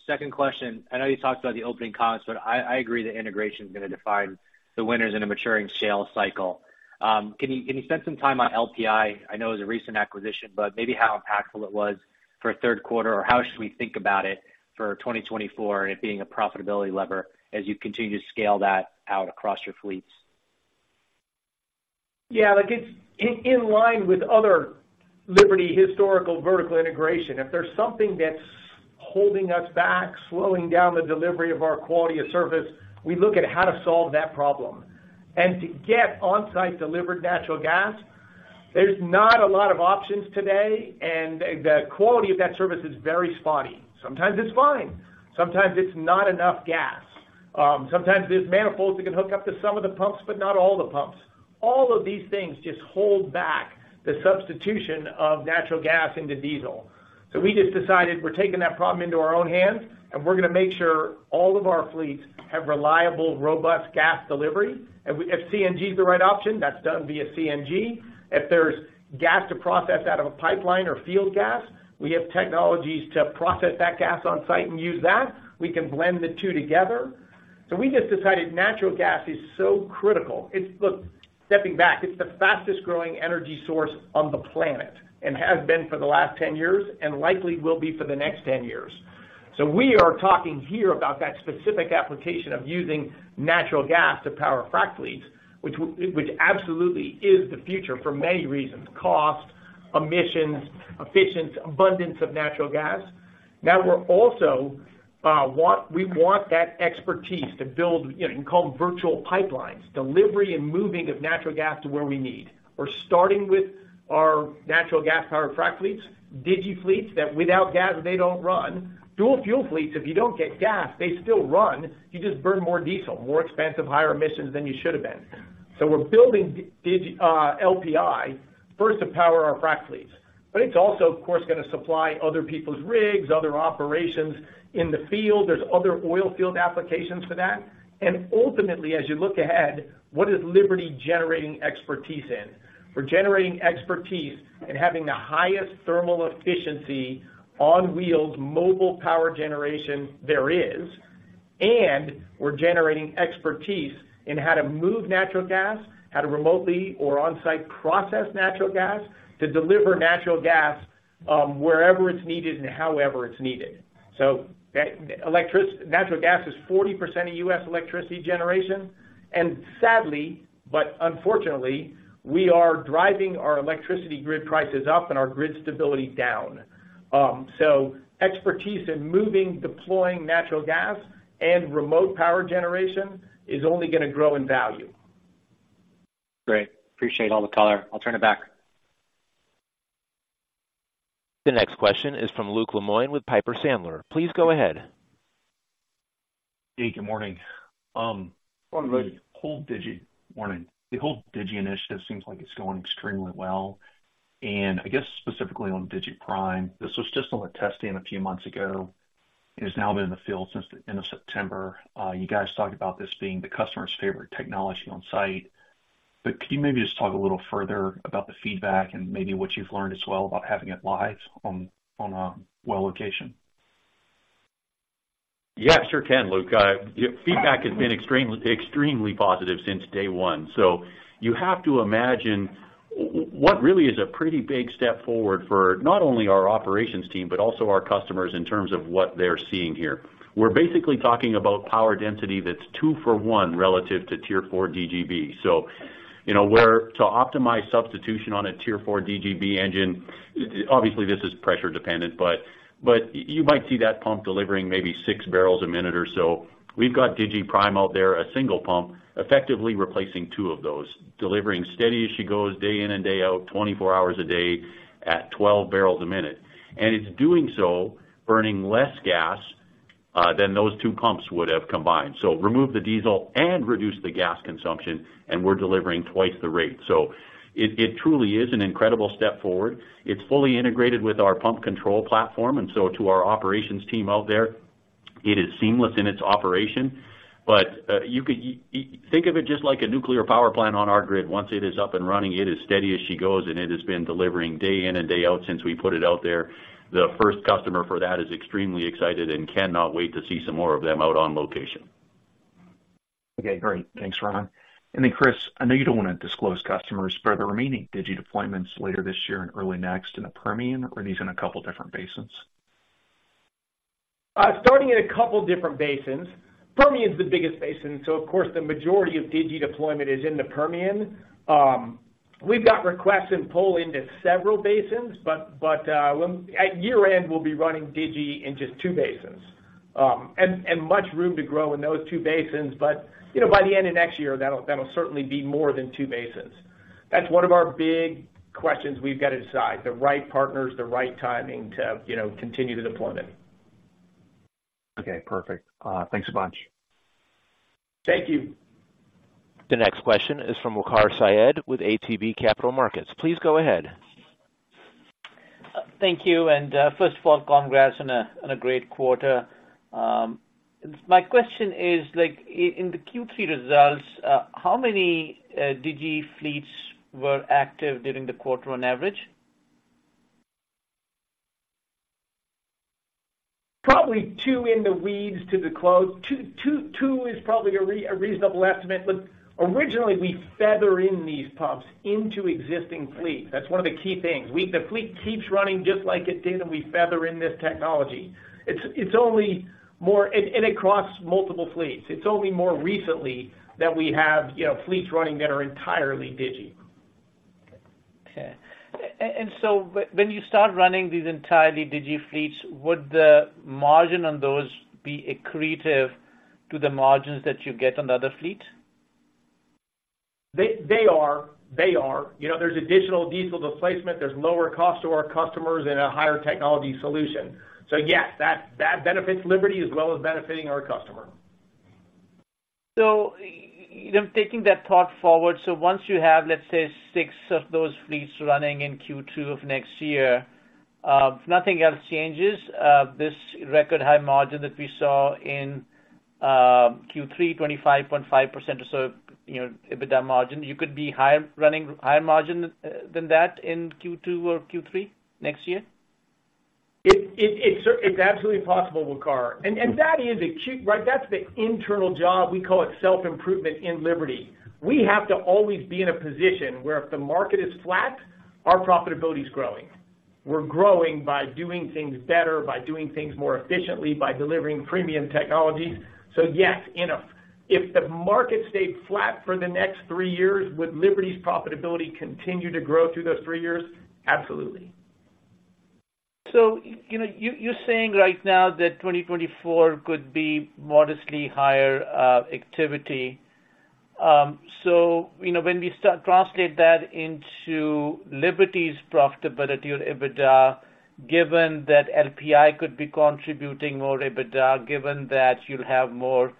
Second question, I know you talked about the opening costs, but I agree that integration is gonna define the winners in a maturing shale cycle. Can you spend some time on LPI? I know it was a recent acquisition, but maybe how impactful it was for a third quarter, or how should we think about it for 2024, and it being a profitability lever as you continue to scale that out across your fleets? Yeah, like it's in line with other Liberty historical vertical integration. If there's something that's holding us back, slowing down the delivery of our quality of service, we look at how to solve that problem. And to get on-site delivered natural gas, there's not a lot of options today, and the quality of that service is very spotty. Sometimes it's fine, sometimes it's not enough gas. Sometimes there's manifolds that can hook up to some of the pumps, but not all the pumps. All of these things just hold back the substitution of natural gas into diesel. So we just decided we're taking that problem into our own hands, and we're gonna make sure all of our fleets have reliable, robust gas delivery. And we, if CNG is the right option, that's done via CNG. If there's gas to process out of a pipeline or field gas, we have technologies to process that gas on-site and use that. We can blend the two together. So we just decided natural gas is so critical. It's look, stepping back, it's the fastest growing energy source on the planet, and has been for the last 10 years and likely will be for the next 10 years. So we are talking here about that specific application of using natural gas to power frac fleets, which absolutely is the future for many reasons: cost, emissions, efficiency, abundance of natural gas. Now, we're also want—we want that expertise to build, you know, you can call them virtual pipelines, delivery and moving of natural gas to where we need. We're starting with our natural gas-powered frac fleets, digiFleet, that without gas, they don't run. Dual fuel fleets, if you don't get gas, they still run, you just burn more diesel, more expensive, higher emissions than you should have been. So we're building digi, LPI, first to power our frac fleets. But it's also, of course, gonna supply other people's rigs, other operations in the field. There's other oil field applications for that. And ultimately, as you look ahead, what is Liberty generating expertise in? We're generating expertise and having the highest thermal efficiency on wheels, mobile power generation there is... and we're generating expertise in how to move natural gas, how to remotely or on-site process natural gas, to deliver natural gas, wherever it's needed and however it's needed. So that, electric natural gas is 40% of U.S. electricity generation, and sadly, but unfortunately, we are driving our electricity grid prices up and our grid stability down. Expertise in moving, deploying natural gas and remote power generation is only gonna grow in value. Great. Appreciate all the color. I'll turn it back. The next question is from Luke Lemoine with Piper Sandler. Please go ahead. Hey, good morning. Good morning, Luke. Good morning. The whole digi initiative seems like it's going extremely well. And I guess, specifically on digiPrime, this was just on a testing a few months ago, and it's now been in the field since the end of September. You guys talked about this being the customer's favorite technology on site, but can you maybe just talk a little further about the feedback and maybe what you've learned as well about having it live on a well location? Yeah, sure can, Luke. Feedback has been extremely, extremely positive since day one. So you have to imagine what really is a pretty big step forward for not only our operations team, but also our customers in terms of what they're seeing here. We're basically talking about power density that's two-for-one relative to Tier 4 DGB. So you know, where to optimize substitution on a Tier 4 DGB engine, obviously, this is pressure dependent, but you might see that pump delivering maybe 6 bbl a minute or so. We've got digiPrime out there, a single pump, effectively replacing two of those, delivering steady as she goes, day in and day out, 24 hours a day at 12 bbl a minute. And it's doing so, burning less gas than those two pumps would have combined. So remove the diesel and reduce the gas consumption, and we're delivering twice the rate. So it, it truly is an incredible step forward. It's fully integrated with our pump control platform, and so to our operations team out there, it is seamless in its operation. But, you could think of it just like a nuclear power plant on our grid. Once it is up and running, it is steady as she goes, and it has been delivering day in and day out since we put it out there. The first customer for that is extremely excited and cannot wait to see some more of them out on location. Okay, great. Thanks, Ron. And then, Chris, I know you don't wanna disclose customers, but the remaining digi deployments later this year and early next in the Permian, are these in a couple different basins? Starting in a couple different basins. Permian is the biggest basin, so of course, the majority of digi deployment is in the Permian. We've got requests in pull into several basins, but, when at year-end, we'll be running digi in just two basins. And much room to grow in those two basins, but, you know, by the end of next year, that'll certainly be more than two basins. That's one of our big questions we've got to decide, the right partners, the right timing to, you know, continue the deployment. Okay, perfect. Thanks so much. Thank you. The next question is from Waqar Syed with ATB Capital Markets. Please go ahead. Thank you, and first of all, congrats on a great quarter. My question is, like, in the Q3 results, how many digiFleets were active during the quarter on average? Probably two in the weeds to the close. Two, two, two is probably a reasonable estimate, but originally, we feather in these pumps into existing fleets. That's one of the key things. The fleet keeps running just like it did, and we feather in this technology. It's only more... And across multiple fleets. It's only more recently that we have, you know, fleets running that are entirely digi. Okay. So when you start running these entirely digiFleets, would the margin on those be accretive to the margins that you get on the other fleet? You know, there's additional diesel displacement, there's lower cost to our customers and a higher technology solution. So yes, that benefits Liberty as well as benefiting our customer. So, you know, taking that thought forward, so once you have, let's say, six of those fleets running in Q2 of next year, if nothing else changes, this record high margin that we saw in Q3, 25.5% or so, you know, EBITDA margin, you could be higher, running higher margin than that in Q2 or Q3 next year? It's absolutely possible, Waqar. And that is a cheap, right? That's the internal job. We call it self-improvement in Liberty. We have to always be in a position where if the market is flat, our profitability is growing. We're growing by doing things better, by doing things more efficiently, by delivering premium technologies. So yes, enough. If the market stayed flat for the next three years, would Liberty's profitability continue to grow through those three years? Absolutely. So you know, you're saying right now that 2024 could be modestly higher activity. So you know, when we translate that into Liberty's profitability or EBITDA, given that LPI could be contributing more EBITDA, given that you'll have more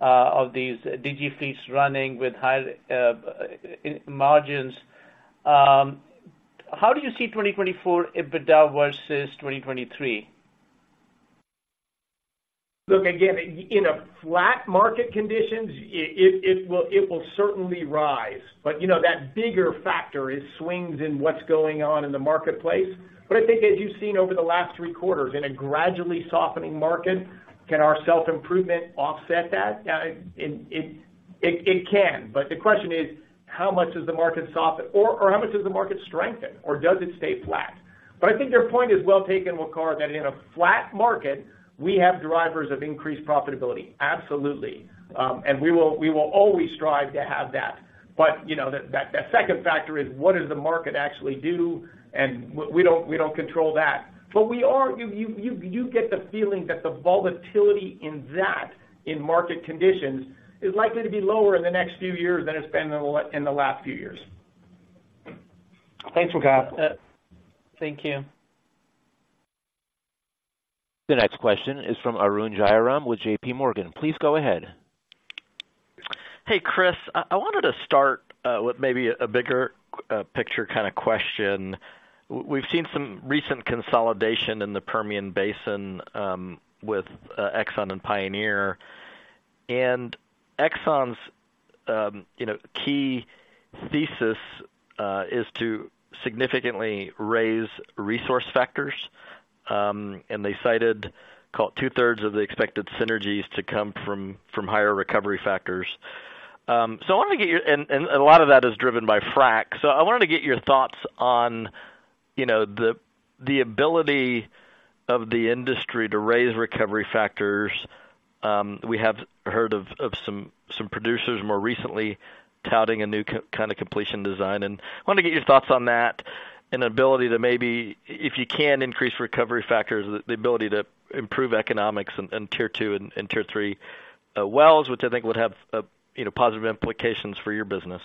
of these digiFleet running with high margins, how do you see 2024 EBITDA versus 2023? Look, again, in a flat market conditions, it will certainly rise. But you know, that bigger factor is swings in what's going on in the marketplace. But I think as you've seen over the last three quarters, in a gradually softening market, can our self-improvement offset that? It can, but the question is, how much does the market soften or how much does the market strengthen, or does it stay flat? But I think your point is well taken, Waqar, that in a flat market, we have drivers of increased profitability. Absolutely. And we will always strive to have that. But, you know, that second factor is, what does the market actually do? And we don't control that. But we are—you get the feeling that the volatility in that, in market conditions, is likely to be lower in the next few years than it's been in the last few years. Thanks, Waqar. Thank you. The next question is from Arun Jayaram with JPMorgan. Please go ahead. Hey, Chris, I wanted to start with maybe a bigger picture kind of question. We've seen some recent consolidation in the Permian Basin with Exxon and Pioneer. And Exxon's you know key thesis is to significantly raise resource factors and they cited call it 2/3 of the expected synergies to come from higher recovery factors. So I wanted to get your... And a lot of that is driven by frac. So I wanted to get your thoughts on you know the ability of the industry to raise recovery factors. We have heard of some producers more recently touting a new kind of completion design, and I wanted to get your thoughts on that and ability to maybe, if you can increase recovery factors, the ability to improve economics in Tier two and Tier three wells, which I think would have, you know, positive implications for your business.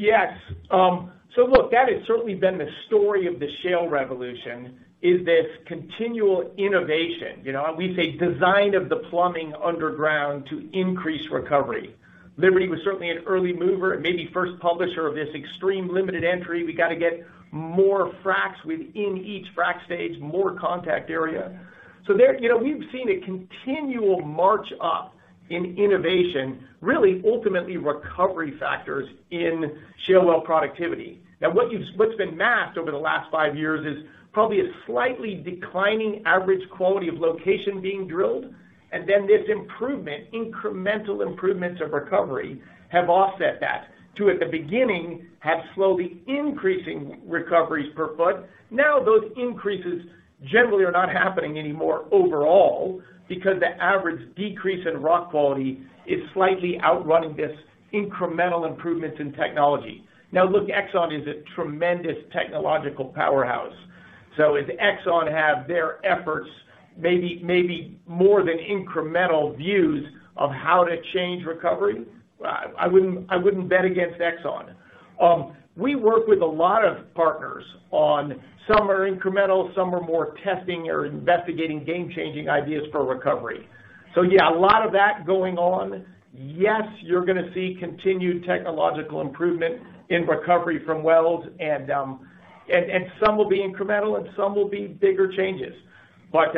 Yes. So look, that has certainly been the story of the shale revolution, is this continual innovation. You know, we say design of the plumbing underground to increase recovery. Liberty was certainly an early mover and maybe first publisher of this extreme limited entry. We got to get more fracs within each frac stage, more contact area. So there, you know, we've seen a continual march up in innovation, really ultimately recovery factors in shale well productivity. Now, what's been masked over the last five years is probably a slightly declining average quality of location being drilled, and then this improvement, incremental improvements of recovery, have offset that. Too, at the beginning, had slowly increasing recoveries per foot. Now, those increases generally are not happening anymore overall, because the average decrease in rock quality is slightly outrunning this incremental improvements in technology. Now, look, Exxon is a tremendous technological powerhouse. So if Exxon have their efforts, maybe, maybe more than incremental views of how to change recovery, I wouldn't, I wouldn't bet against Exxon. We work with a lot of partners on some are incremental, some are more testing or investigating game-changing ideas for recovery. So yeah, a lot of that going on. Yes, you're gonna see continued technological improvement in recovery from wells, and, and some will be incremental and some will be bigger changes. But,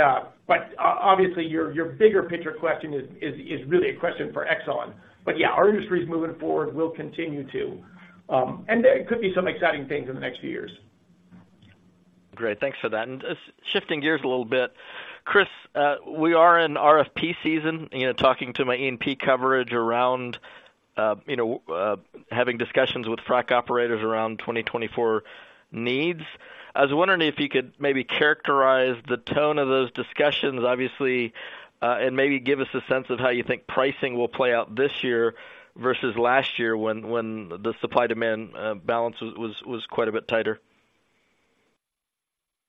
but obviously, your, your bigger picture question is, is really a question for Exxon. But yeah, our industry is moving forward, we'll continue to. And there could be some exciting things in the next few years. Great. Thanks for that. And just shifting gears a little bit, Chris, we are in RFP season, you know, talking to my E&P coverage around, you know, having discussions with frac operators around 2024 needs. I was wondering if you could maybe characterize the tone of those discussions, obviously, and maybe give us a sense of how you think pricing will play out this year versus last year, when the supply-demand balance was quite a bit tighter.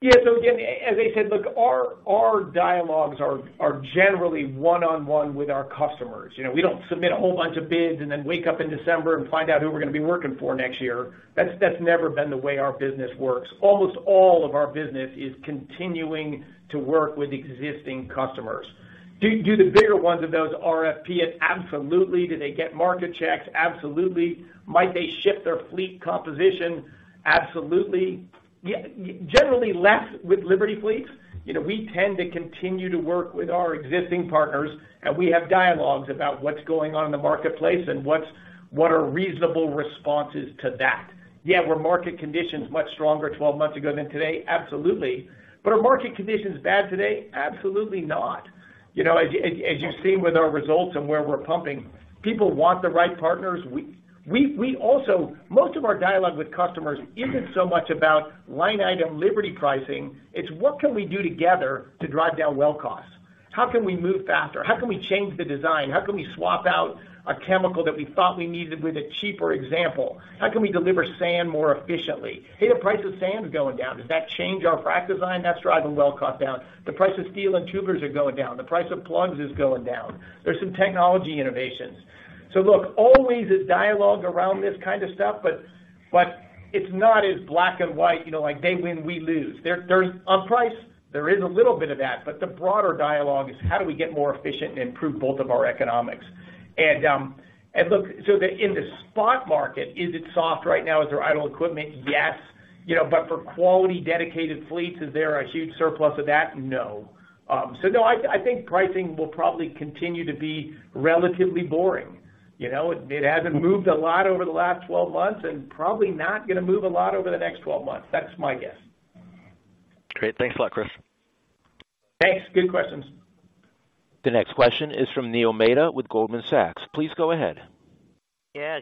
Yeah. So again, as I said, look, our dialogues are generally one-on-one with our customers. You know, we don't submit a whole bunch of bids and then wake up in December and find out who we're gonna be working for next year. That's never been the way our business works. Almost all of our business is continuing to work with existing customers. Do the bigger ones of those RFP? Absolutely. Do they get market checks? Absolutely. Might they shift their fleet composition? Absolutely. Yeah, generally less with Liberty fleets. You know, we tend to continue to work with our existing partners, and we have dialogues about what's going on in the marketplace and what are reasonable responses to that. Yeah, were market conditions much stronger 12 months ago than today? Absolutely. But are market conditions bad today? Absolutely not. You know, as you've seen with our results and where we're pumping, people want the right partners. We also, most of our dialogue with customers isn't so much about line-item Liberty pricing, it's what can we do together to drive down well costs? How can we move faster? How can we change the design? How can we swap out a chemical that we thought we needed with a cheaper example? How can we deliver sand more efficiently? Hey, the price of sand is going down. Does that change our frac design? That's driving well cost down. The price of steel and tubulars are going down. The price of plugs is going down. There's some technology innovations. So look, always a dialogue around this kind of stuff, but it's not as black and white, you know, like, they win, we lose. There's...on price, there is a little bit of that, but the broader dialogue is how do we get more efficient and improve both of our economics? And, and look, so in the spot market, is it soft right now? Is there idle equipment? Yes. You know, but for quality dedicated fleets, is there a huge surplus of that? No. So no, I, I think pricing will probably continue to be relatively boring. You know, it, it hasn't moved a lot over the last 12 months and probably not gonna move a lot over the next 12 months. That's my guess.... Great. Thanks a lot, Chris. Thanks. Good questions. The next question is from Neil Mehta with Goldman Sachs. Please go ahead. Yeah,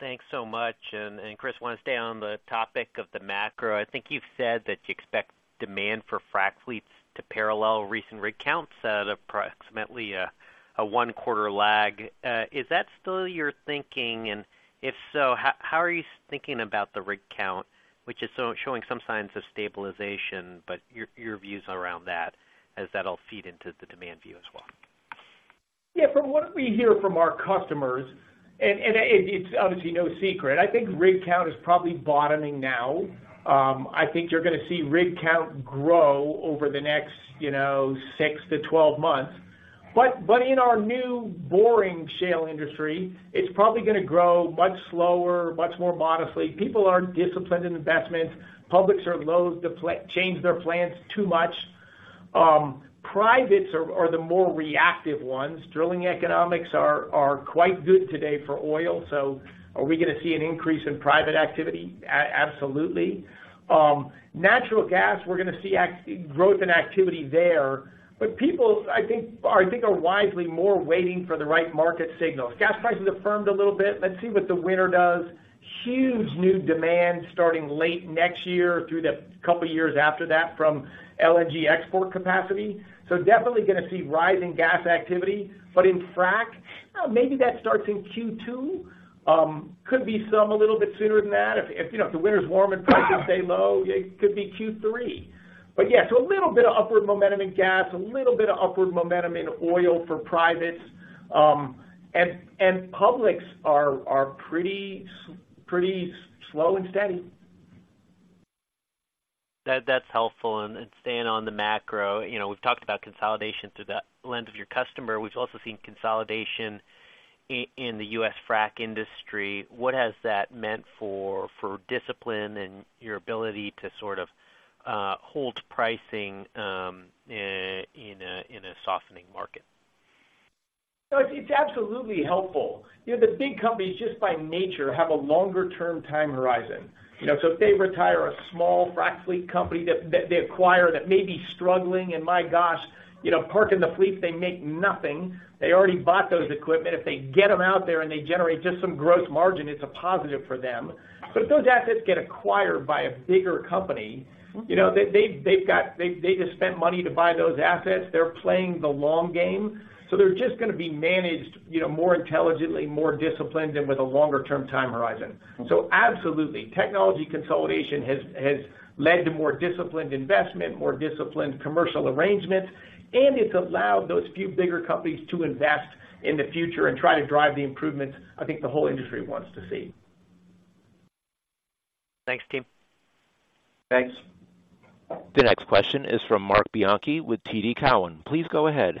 thanks so much. And Chris, wanna stay on the topic of the macro. I think you've said that you expect demand for frac fleets to parallel recent rig counts at approximately a one-quarter lag. Is that still your thinking? And if so, how are you thinking about the rig count, which is showing some signs of stabilization, but your views around that, as that'll feed into the demand view as well? Yeah, from what we hear from our customers, and it, it's obviously no secret, I think rig count is probably bottoming now. I think you're gonna see rig count grow over the next, you know, six-12 months. But in our new boring shale industry, it's probably gonna grow much slower, much more modestly. People are disciplined in investments. Publics are loathe to change their plans too much. Privates are the more reactive ones. Drilling economics are quite good today for oil, so are we gonna see an increase in private activity? Absolutely. Natural gas, we're gonna see growth in activity there, but people, I think, are wisely more waiting for the right market signals. Gas prices have firmed a little bit. Let's see what the winter does. Huge new demand starting late next year through the couple of years after that from LNG export capacity. So definitely gonna see rising gas activity. But in frac, maybe that starts in Q2. Could be some a little bit sooner than that. If you know, if the winter's warm and prices stay low, it could be Q3. But yeah, so a little bit of upward momentum in gas, a little bit of upward momentum in oil for privates. And publics are pretty slow and steady. That, that's helpful. And staying on the macro, you know, we've talked about consolidation through the lens of your customer. We've also seen consolidation in the U.S. frac industry. What has that meant for discipline and your ability to sort of hold pricing in a softening market? No, it's absolutely helpful. You know, the big companies, just by nature, have a longer-term time horizon. You know, so if they retire a small frac fleet company that they acquire, that may be struggling, and my gosh, you know, parking the fleet, they make nothing. They already bought those equipment. If they get them out there and they generate just some gross margin, it's a positive for them. But if those assets get acquired by a bigger company, you know, they've just spent money to buy those assets. They're playing the long game, so they're just gonna be managed, you know, more intelligently, more disciplined, and with a longer-term time horizon. Absolutely, technology consolidation has led to more disciplined investment, more disciplined commercial arrangements, and it's allowed those few bigger companies to invest in the future and try to drive the improvements I think the whole industry wants to see. Thanks, team. Thanks. The next question is from Marc Bianchi with TD Cowen. Please go ahead.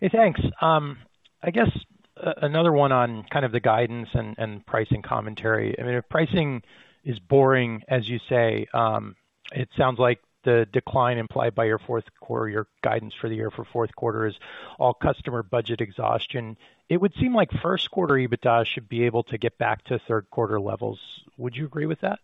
Hey, thanks. I guess, another one on kind of the guidance and pricing commentary. I mean, if pricing is boring, as you say, it sounds like the decline implied by your fourth quarter, your guidance for the year for fourth quarter is all customer budget exhaustion. It would seem like first quarter EBITDA should be able to get back to third quarter levels. Would you agree with that?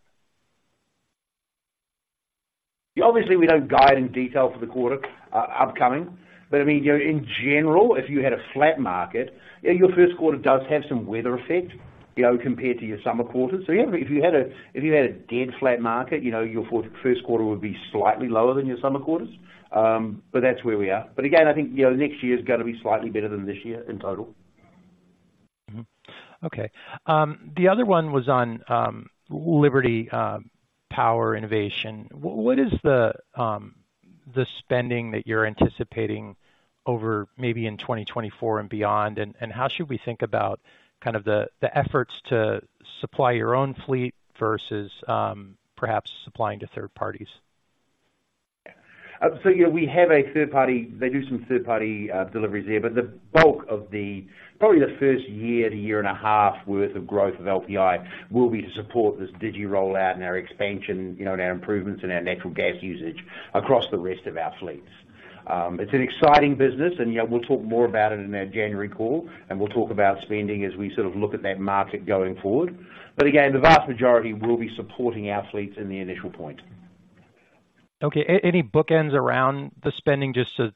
Yeah, obviously, we don't guide in detail for the quarter upcoming, but I mean, you know, in general, if you had a flat market, yeah, your first quarter does have some weather effect, you know, compared to your summer quarters. So yeah, if you had a dead flat market, you know, your fourth, first quarter would be slightly lower than your summer quarters. But that's where we are. But again, I think, you know, next year is gonna be slightly better than this year in total. Mm-hmm. Okay. The other one was on Liberty Power Innovations. What is the spending that you're anticipating over maybe in 2024 and beyond? And how should we think about kind of the efforts to supply your own fleet versus perhaps supplying to third parties? So yeah, we have a third party. They do some third-party deliveries there, but the bulk of the, probably the first year to year and a half worth of growth of LPI, will be to support this digi rollout and our expansion, you know, and our improvements and our natural gas usage across the rest of our fleets. It's an exciting business and, you know, we'll talk more about it in our January call, and we'll talk about spending as we sort of look at that market going forward. But again, the vast majority will be supporting our fleets in the initial point. Okay. Any bookends around the spending just to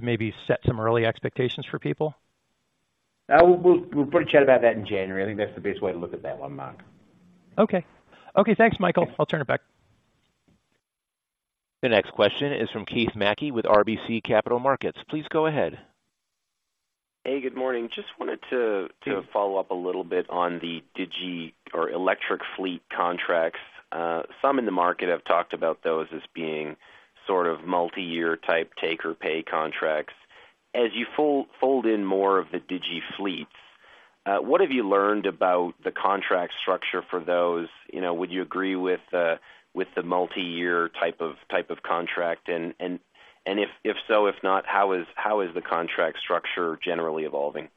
maybe set some early expectations for people? We'll put a chat about that in January. I think that's the best way to look at that one, Marc. Okay. Okay, thanks, Michael. I'll turn it back. The next question is from Keith Mackey with RBC Capital Markets. Please go ahead. Hey, good morning. Just wanted to- Hey. To follow up a little bit on the digi or electric fleet contracts. Some in the market have talked about those as being sort of multiyear type take or pay contracts. As you fold in more of the digiFleets, what have you learned about the contract structure for those? You know, would you agree with the multiyear type of contract? And if so, if not, how is the contract structure generally evolving?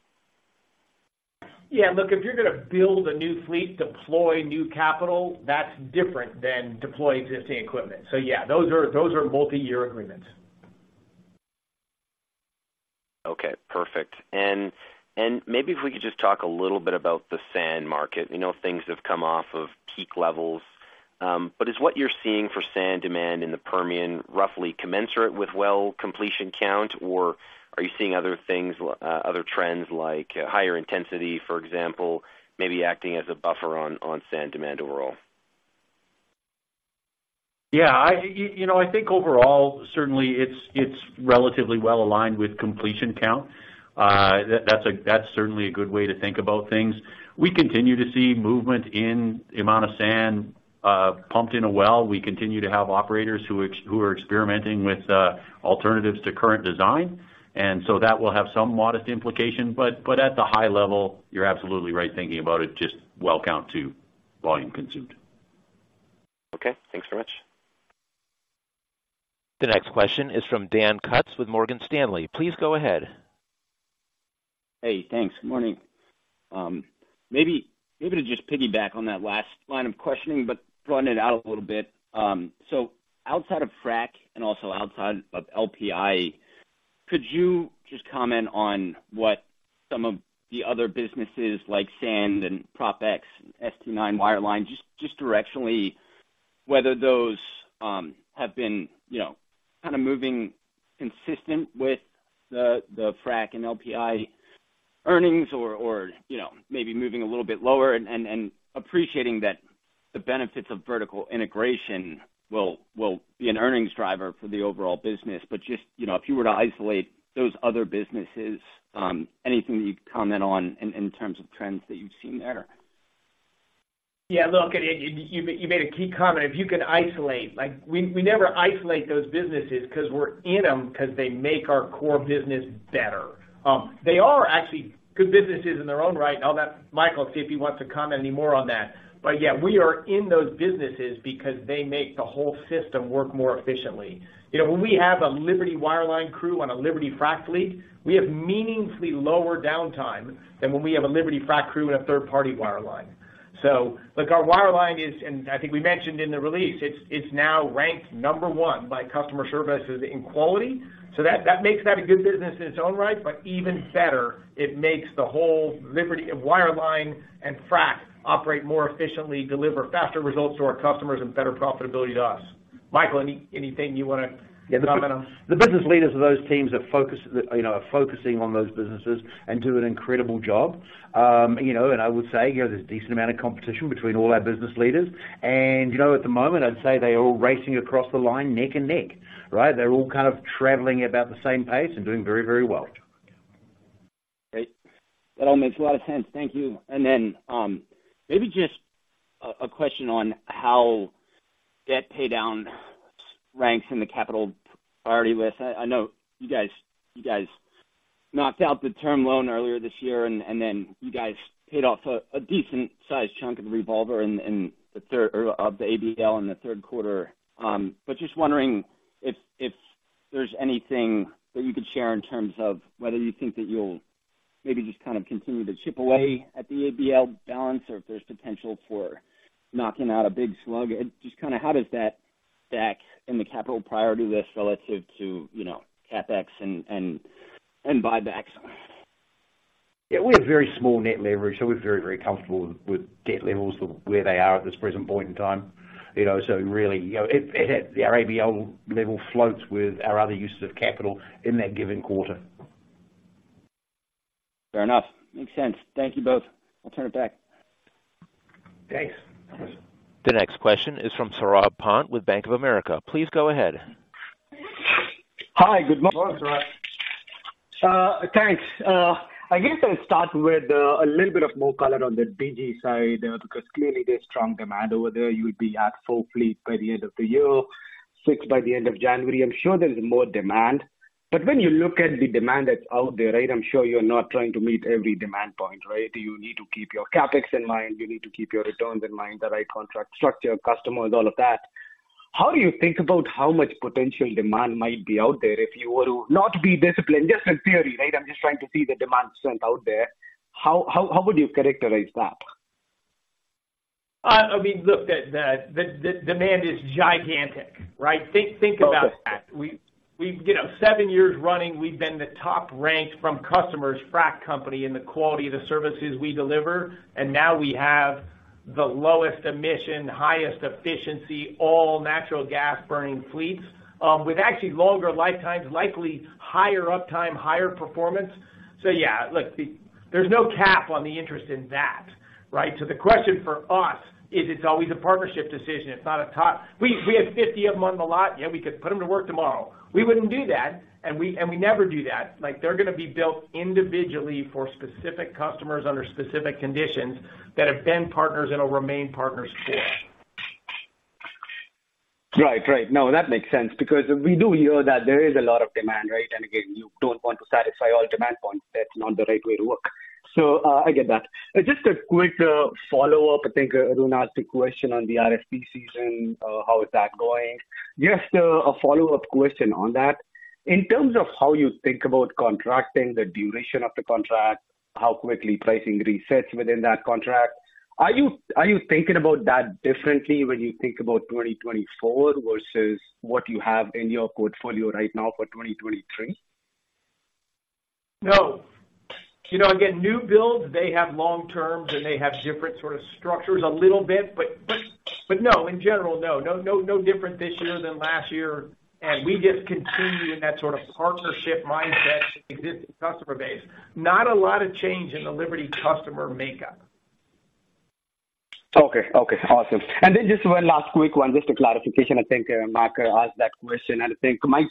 Yeah, look, if you're gonna build a new fleet, deploy new capital, that's different than deploying existing equipment. So yeah, those are, those are multiyear agreements. ... Perfect. And maybe if we could just talk a little bit about the sand market. We know things have come off of peak levels, but is what you're seeing for sand demand in the Permian roughly commensurate with well completion count? Or are you seeing other things, other trends like higher intensity, for example, maybe acting as a buffer on sand demand overall? Yeah, I, you know, I think overall, certainly it's, it's relatively well aligned with completion count. That's certainly a good way to think about things. We continue to see movement in the amount of sand pumped in a well. We continue to have operators who are experimenting with alternatives to current design, and so that will have some modest implication. But at the high level, you're absolutely right, thinking about it, just well count to volume consumed. Okay, thanks very much. The next question is from Dan Kutz with Morgan Stanley. Please go ahead. Hey, thanks. Good morning. Maybe, maybe to just piggyback on that last line of questioning, but broaden it out a little bit. So outside of frac and also outside of LPI, could you just comment on what some of the other businesses like sand and PropX, ST9 wireline, just, just directionally, whether those, you know, kind of moving consistent with the, the frac and LPI earnings or, or, you know, maybe moving a little bit lower and, and, and appreciating that the benefits of vertical integration will, will be an earnings driver for the overall business. But just, you know, if you were to isolate those other businesses, anything that you could comment on in, in terms of trends that you've seen there? Yeah, look, you made a key comment. If you can isolate, like, we never isolate those businesses because we're in them, because they make our core business better. They are actually good businesses in their own right. I'll let Michael see if he wants to comment any more on that. But yeah, we are in those businesses because they make the whole system work more efficiently. You know, when we have a Liberty Wireline crew on a Liberty Frac fleet, we have meaningfully lower downtime than when we have a Liberty Frac crew and a third-party wireline. So look, our wireline is, and I think we mentioned in the release, it's now ranked number one by customer services in quality. So that makes that a good business in its own right, but even better, it makes the whole Liberty Wireline and Frac operate more efficiently, deliver faster results to our customers and better profitability to us. Michael, anything you want to comment on? Yeah, the business leaders of those teams are focused, you know, are focusing on those businesses and do an incredible job. You know, and I would say, you know, there's a decent amount of competition between all our business leaders. You know, at the moment, I'd say they are all racing across the line neck and neck, right? They're all kind of traveling about the same pace and doing very, very well. Great. That all makes a lot of sense. Thank you. And then, maybe just a question on how debt paydown ranks in the capital priority list. I know you guys knocked out the term loan earlier this year, and then you guys paid off a decent sized chunk of the revolver in the third quarter or of the ABL in the third quarter. But just wondering if there's anything that you could share in terms of whether you think that you'll maybe just kind of continue to chip away at the ABL balance, or if there's potential for knocking out a big slug? Just kind of how does that stack in the capital priority list relative to, you know, CapEx and buybacks? Yeah, we have very small net leverage, so we're very, very comfortable with debt levels where they are at this present point in time. You know, so really, you know, our ABL level floats with our other uses of capital in that given quarter. Fair enough. Makes sense. Thank you both. I'll turn it back. Thanks. The next question is from Saurabh Pant with Bank of America. Please go ahead. Hi, good morning. Good morning, Saurabh. Thanks. I guess I'll start with a little bit of more color on the digi side, because clearly there's strong demand over there. You would be at full fleet by the end of the year, six by the end of January. I'm sure there is more demand. But when you look at the demand that's out there, right, I'm sure you're not trying to meet every demand point, right? You need to keep your CapEx in mind. You need to keep your returns in mind, the right contract structure, customers, all of that. How do you think about how much potential demand might be out there if you were to not be disciplined? Just in theory, right? I'm just trying to see the demand strength out there. How would you characterize that? I mean, look, the demand is gigantic, right? Think about that. We've... You know, seven years running, we've been the top ranked from customers frac company in the quality of the services we deliver, and now we have the lowest emission, highest efficiency, all natural gas-burning fleets, with actually longer lifetimes, likely higher uptime, higher performance. So yeah, look, the, there's no cap on the interest in that, right? So the question for us is, it's always a partnership decision. It's not a top- We, we have 50 of them on the lot, yeah, we could put them to work tomorrow. We wouldn't do that, and we, and we never do that. Like, they're gonna be built individually for specific customers under specific conditions that have been partners and will remain partners for. Right. Right. No, that makes sense, because we do hear that there is a lot of demand, right? And again, you don't want to satisfy all demand points. That's not the right way to work. So, I get that. Just a quick follow-up. I think Arun asked a question on the RFP season. How is that going? Just a follow-up question on that. In terms of how you think about contracting, the duration of the contract – how quickly pricing resets within that contract. Are you, are you thinking about that differently when you think about 2024 versus what you have in your portfolio right now for 2023? No. You know, again, new builds, they have long terms, and they have different sort of structures a little bit. But no, in general, no. No, no, no different this year than last year, and we just continue in that sort of partnership mindset with existing customer base. Not a lot of change in the Liberty customer makeup. Okay. Okay, awesome. And then just one last quick one, just a clarification. I think Marc asked that question, and I think, Mike,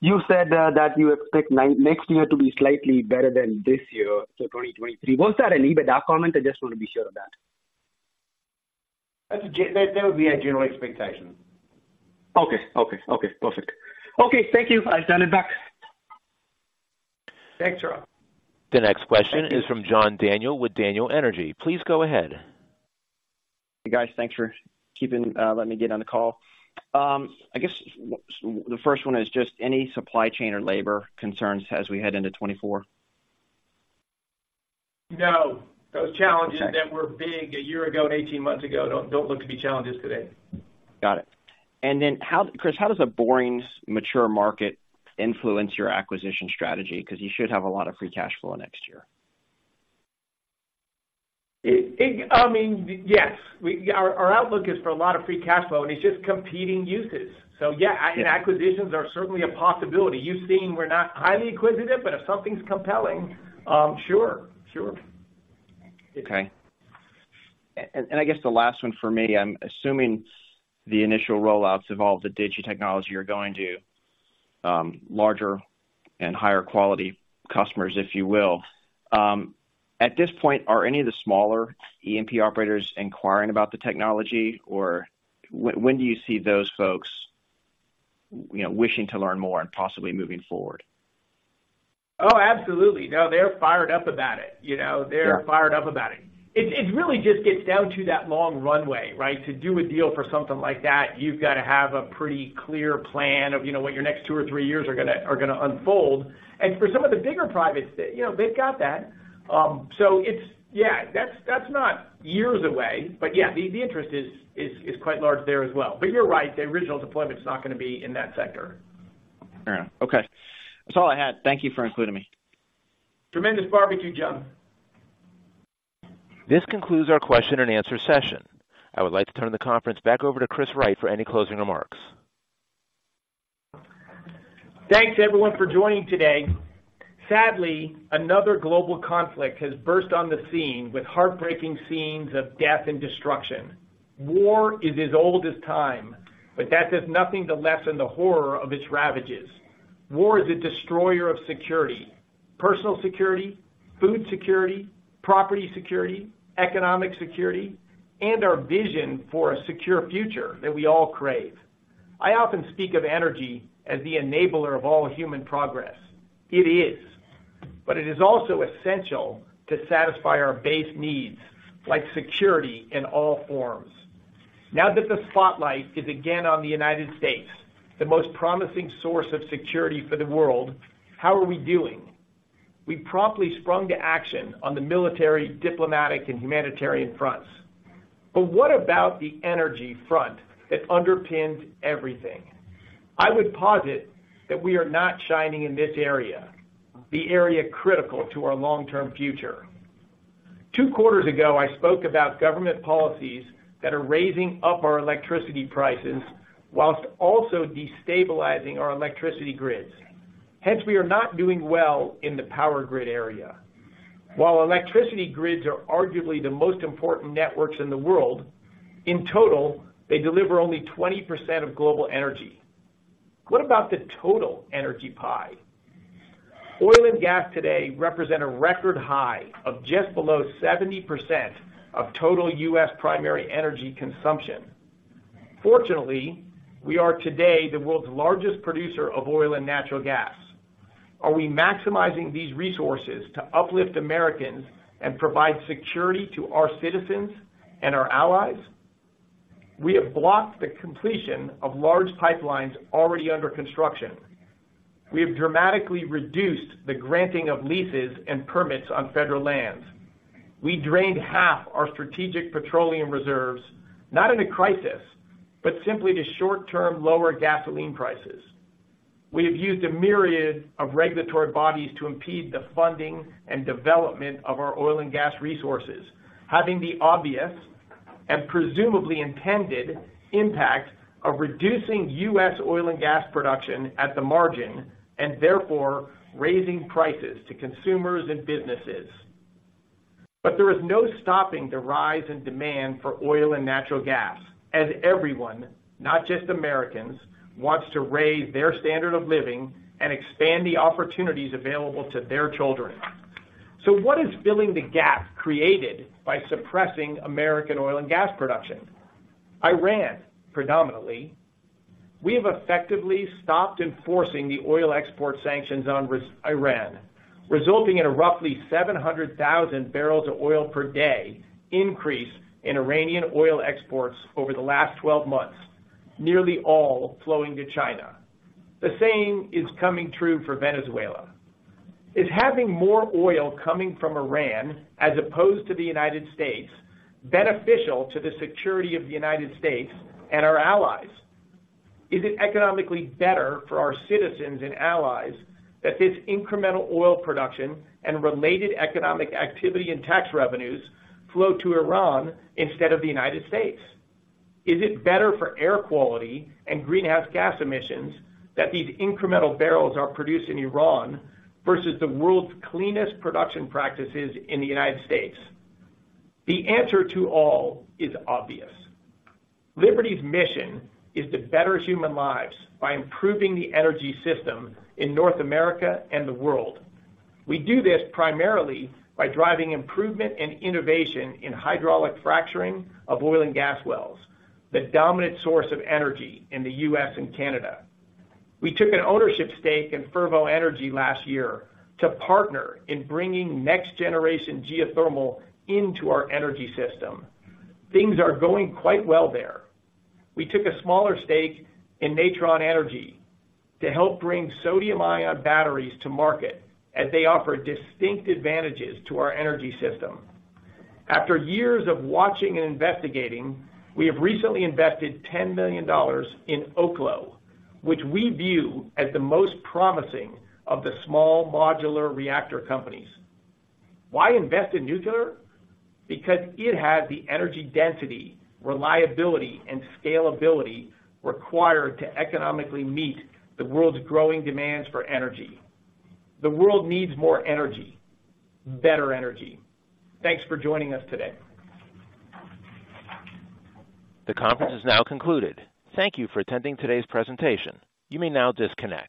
you said that you expect next year to be slightly better than this year, so 2023. Was that an EBITDA comment? I just want to be sure of that. That, that would be our general expectation. Okay. Okay. Okay, perfect. Okay, thank you. I'll hand it back. Thanks, Saurabh. The next question is from John Daniel with Daniel Energy. Please go ahead. Hey, guys, thanks for keeping, letting me get on the call. I guess the first one is just any supply chain or labor concerns as we head into 2024? No, those challenges- Okay. -that were big a year ago and 18 months ago, don't, don't look to be challenges today. Got it. And then how... Chris, how does a boring, mature market influence your acquisition strategy? Because you should have a lot of free cash flow next year. I mean, yes. Our outlook is for a lot of free cash flow, and it's just competing uses. So yeah, and acquisitions are certainly a possibility. You've seen we're not highly acquisitive, but if something's compelling, sure, sure. Okay. And I guess the last one for me, I'm assuming the initial rollouts of all the digi technology are going to larger and higher quality customers, if you will. At this point, are any of the smaller E&P operators inquiring about the technology? Or when do you see those folks, you know, wishing to learn more and possibly moving forward? Oh, absolutely. No, they're fired up about it. You know- Yeah. They're fired up about it. It really just gets down to that long runway, right? To do a deal for something like that, you've got to have a pretty clear plan of, you know, what your next two or three years are gonna unfold. And for some of the bigger privates, you know, they've got that. So it's... Yeah, that's not years away, but yeah, the interest is quite large there as well. But you're right, the original deployment is not gonna be in that sector. Fair enough. Okay, that's all I had. Thank you for including me. Tremendous barbecue, John. This concludes our question and answer session. I would like to turn the conference back over to Chris Wright for any closing remarks. Thanks, everyone, for joining today. Sadly, another global conflict has burst on the scene with heartbreaking scenes of death and destruction. War is as old as time, but that does nothing to lessen the horror of its ravages. War is a destroyer of security, personal security, food security, property security, economic security, and our vision for a secure future that we all crave. I often speak of energy as the enabler of all human progress. It is, but it is also essential to satisfy our base needs, like security in all forms. Now that the spotlight is again on the United States, the most promising source of security for the world, how are we doing? We promptly sprung to action on the military, diplomatic, and humanitarian fronts. But what about the energy front that underpins everything? I would posit that we are not shining in this area, the area critical to our long-term future. Two quarters ago, I spoke about government policies that are raising up our electricity prices while also destabilizing our electricity grids. Hence, we are not doing well in the power grid area. While electricity grids are arguably the most important networks in the world, in total, they deliver only 20% of global energy. What about the total energy pie? Oil and gas today represent a record high of just below 70% of total U.S. primary energy consumption. Fortunately, we are today the world's largest producer of oil and natural gas. Are we maximizing these resources to uplift Americans and provide security to our citizens and our allies? We have blocked the completion of large pipelines already under construction. We have dramatically reduced the granting of leases and permits on federal lands. We drained half our strategic petroleum reserves, not in a crisis, but simply to short-term lower gasoline prices. We have used a myriad of regulatory bodies to impede the funding and development of our oil and gas resources, having the obvious and presumably intended impact of reducing U.S. oil and gas production at the margin, and therefore raising prices to consumers and businesses. But there is no stopping the rise in demand for oil and natural gas, as everyone, not just Americans, wants to raise their standard of living and expand the opportunities available to their children. So what is filling the gap created by suppressing American oil and gas production? Iran, predominantly. We have effectively stopped enforcing the oil export sanctions on Iran, resulting in a roughly 700,000 bbl of oil per day increase in Iranian oil exports over the last 12 months, nearly all flowing to China. The same is coming true for Venezuela. Is having more oil coming from Iran, as opposed to the United States, beneficial to the security of the United States and our allies? Is it economically better for our citizens and allies that this incremental oil production and related economic activity and tax revenues flow to Iran instead of the United States? Is it better for air quality and greenhouse gas emissions that these incremental barrels are produced in Iran versus the world's cleanest production practices in the United States? The answer to all is obvious. Liberty's mission is to better human lives by improving the energy system in North America and the world. We do this primarily by driving improvement and innovation in hydraulic fracturing of oil and gas wells, the dominant source of energy in the U.S. and Canada. We took an ownership stake in Fervo Energy last year to partner in bringing next-generation geothermal into our energy system. Things are going quite well there. We took a smaller stake in Natron Energy to help bring sodium ion batteries to market, as they offer distinct advantages to our energy system. After years of watching and investigating, we have recently invested $10 million in Oklo, which we view as the most promising of the small modular reactor companies. Why invest in nuclear? Because it has the energy density, reliability, and scalability required to economically meet the world's growing demands for energy. The world needs more energy, better energy. Thanks for joining us today. The conference is now concluded. Thank you for attending today's presentation. You may now disconnect.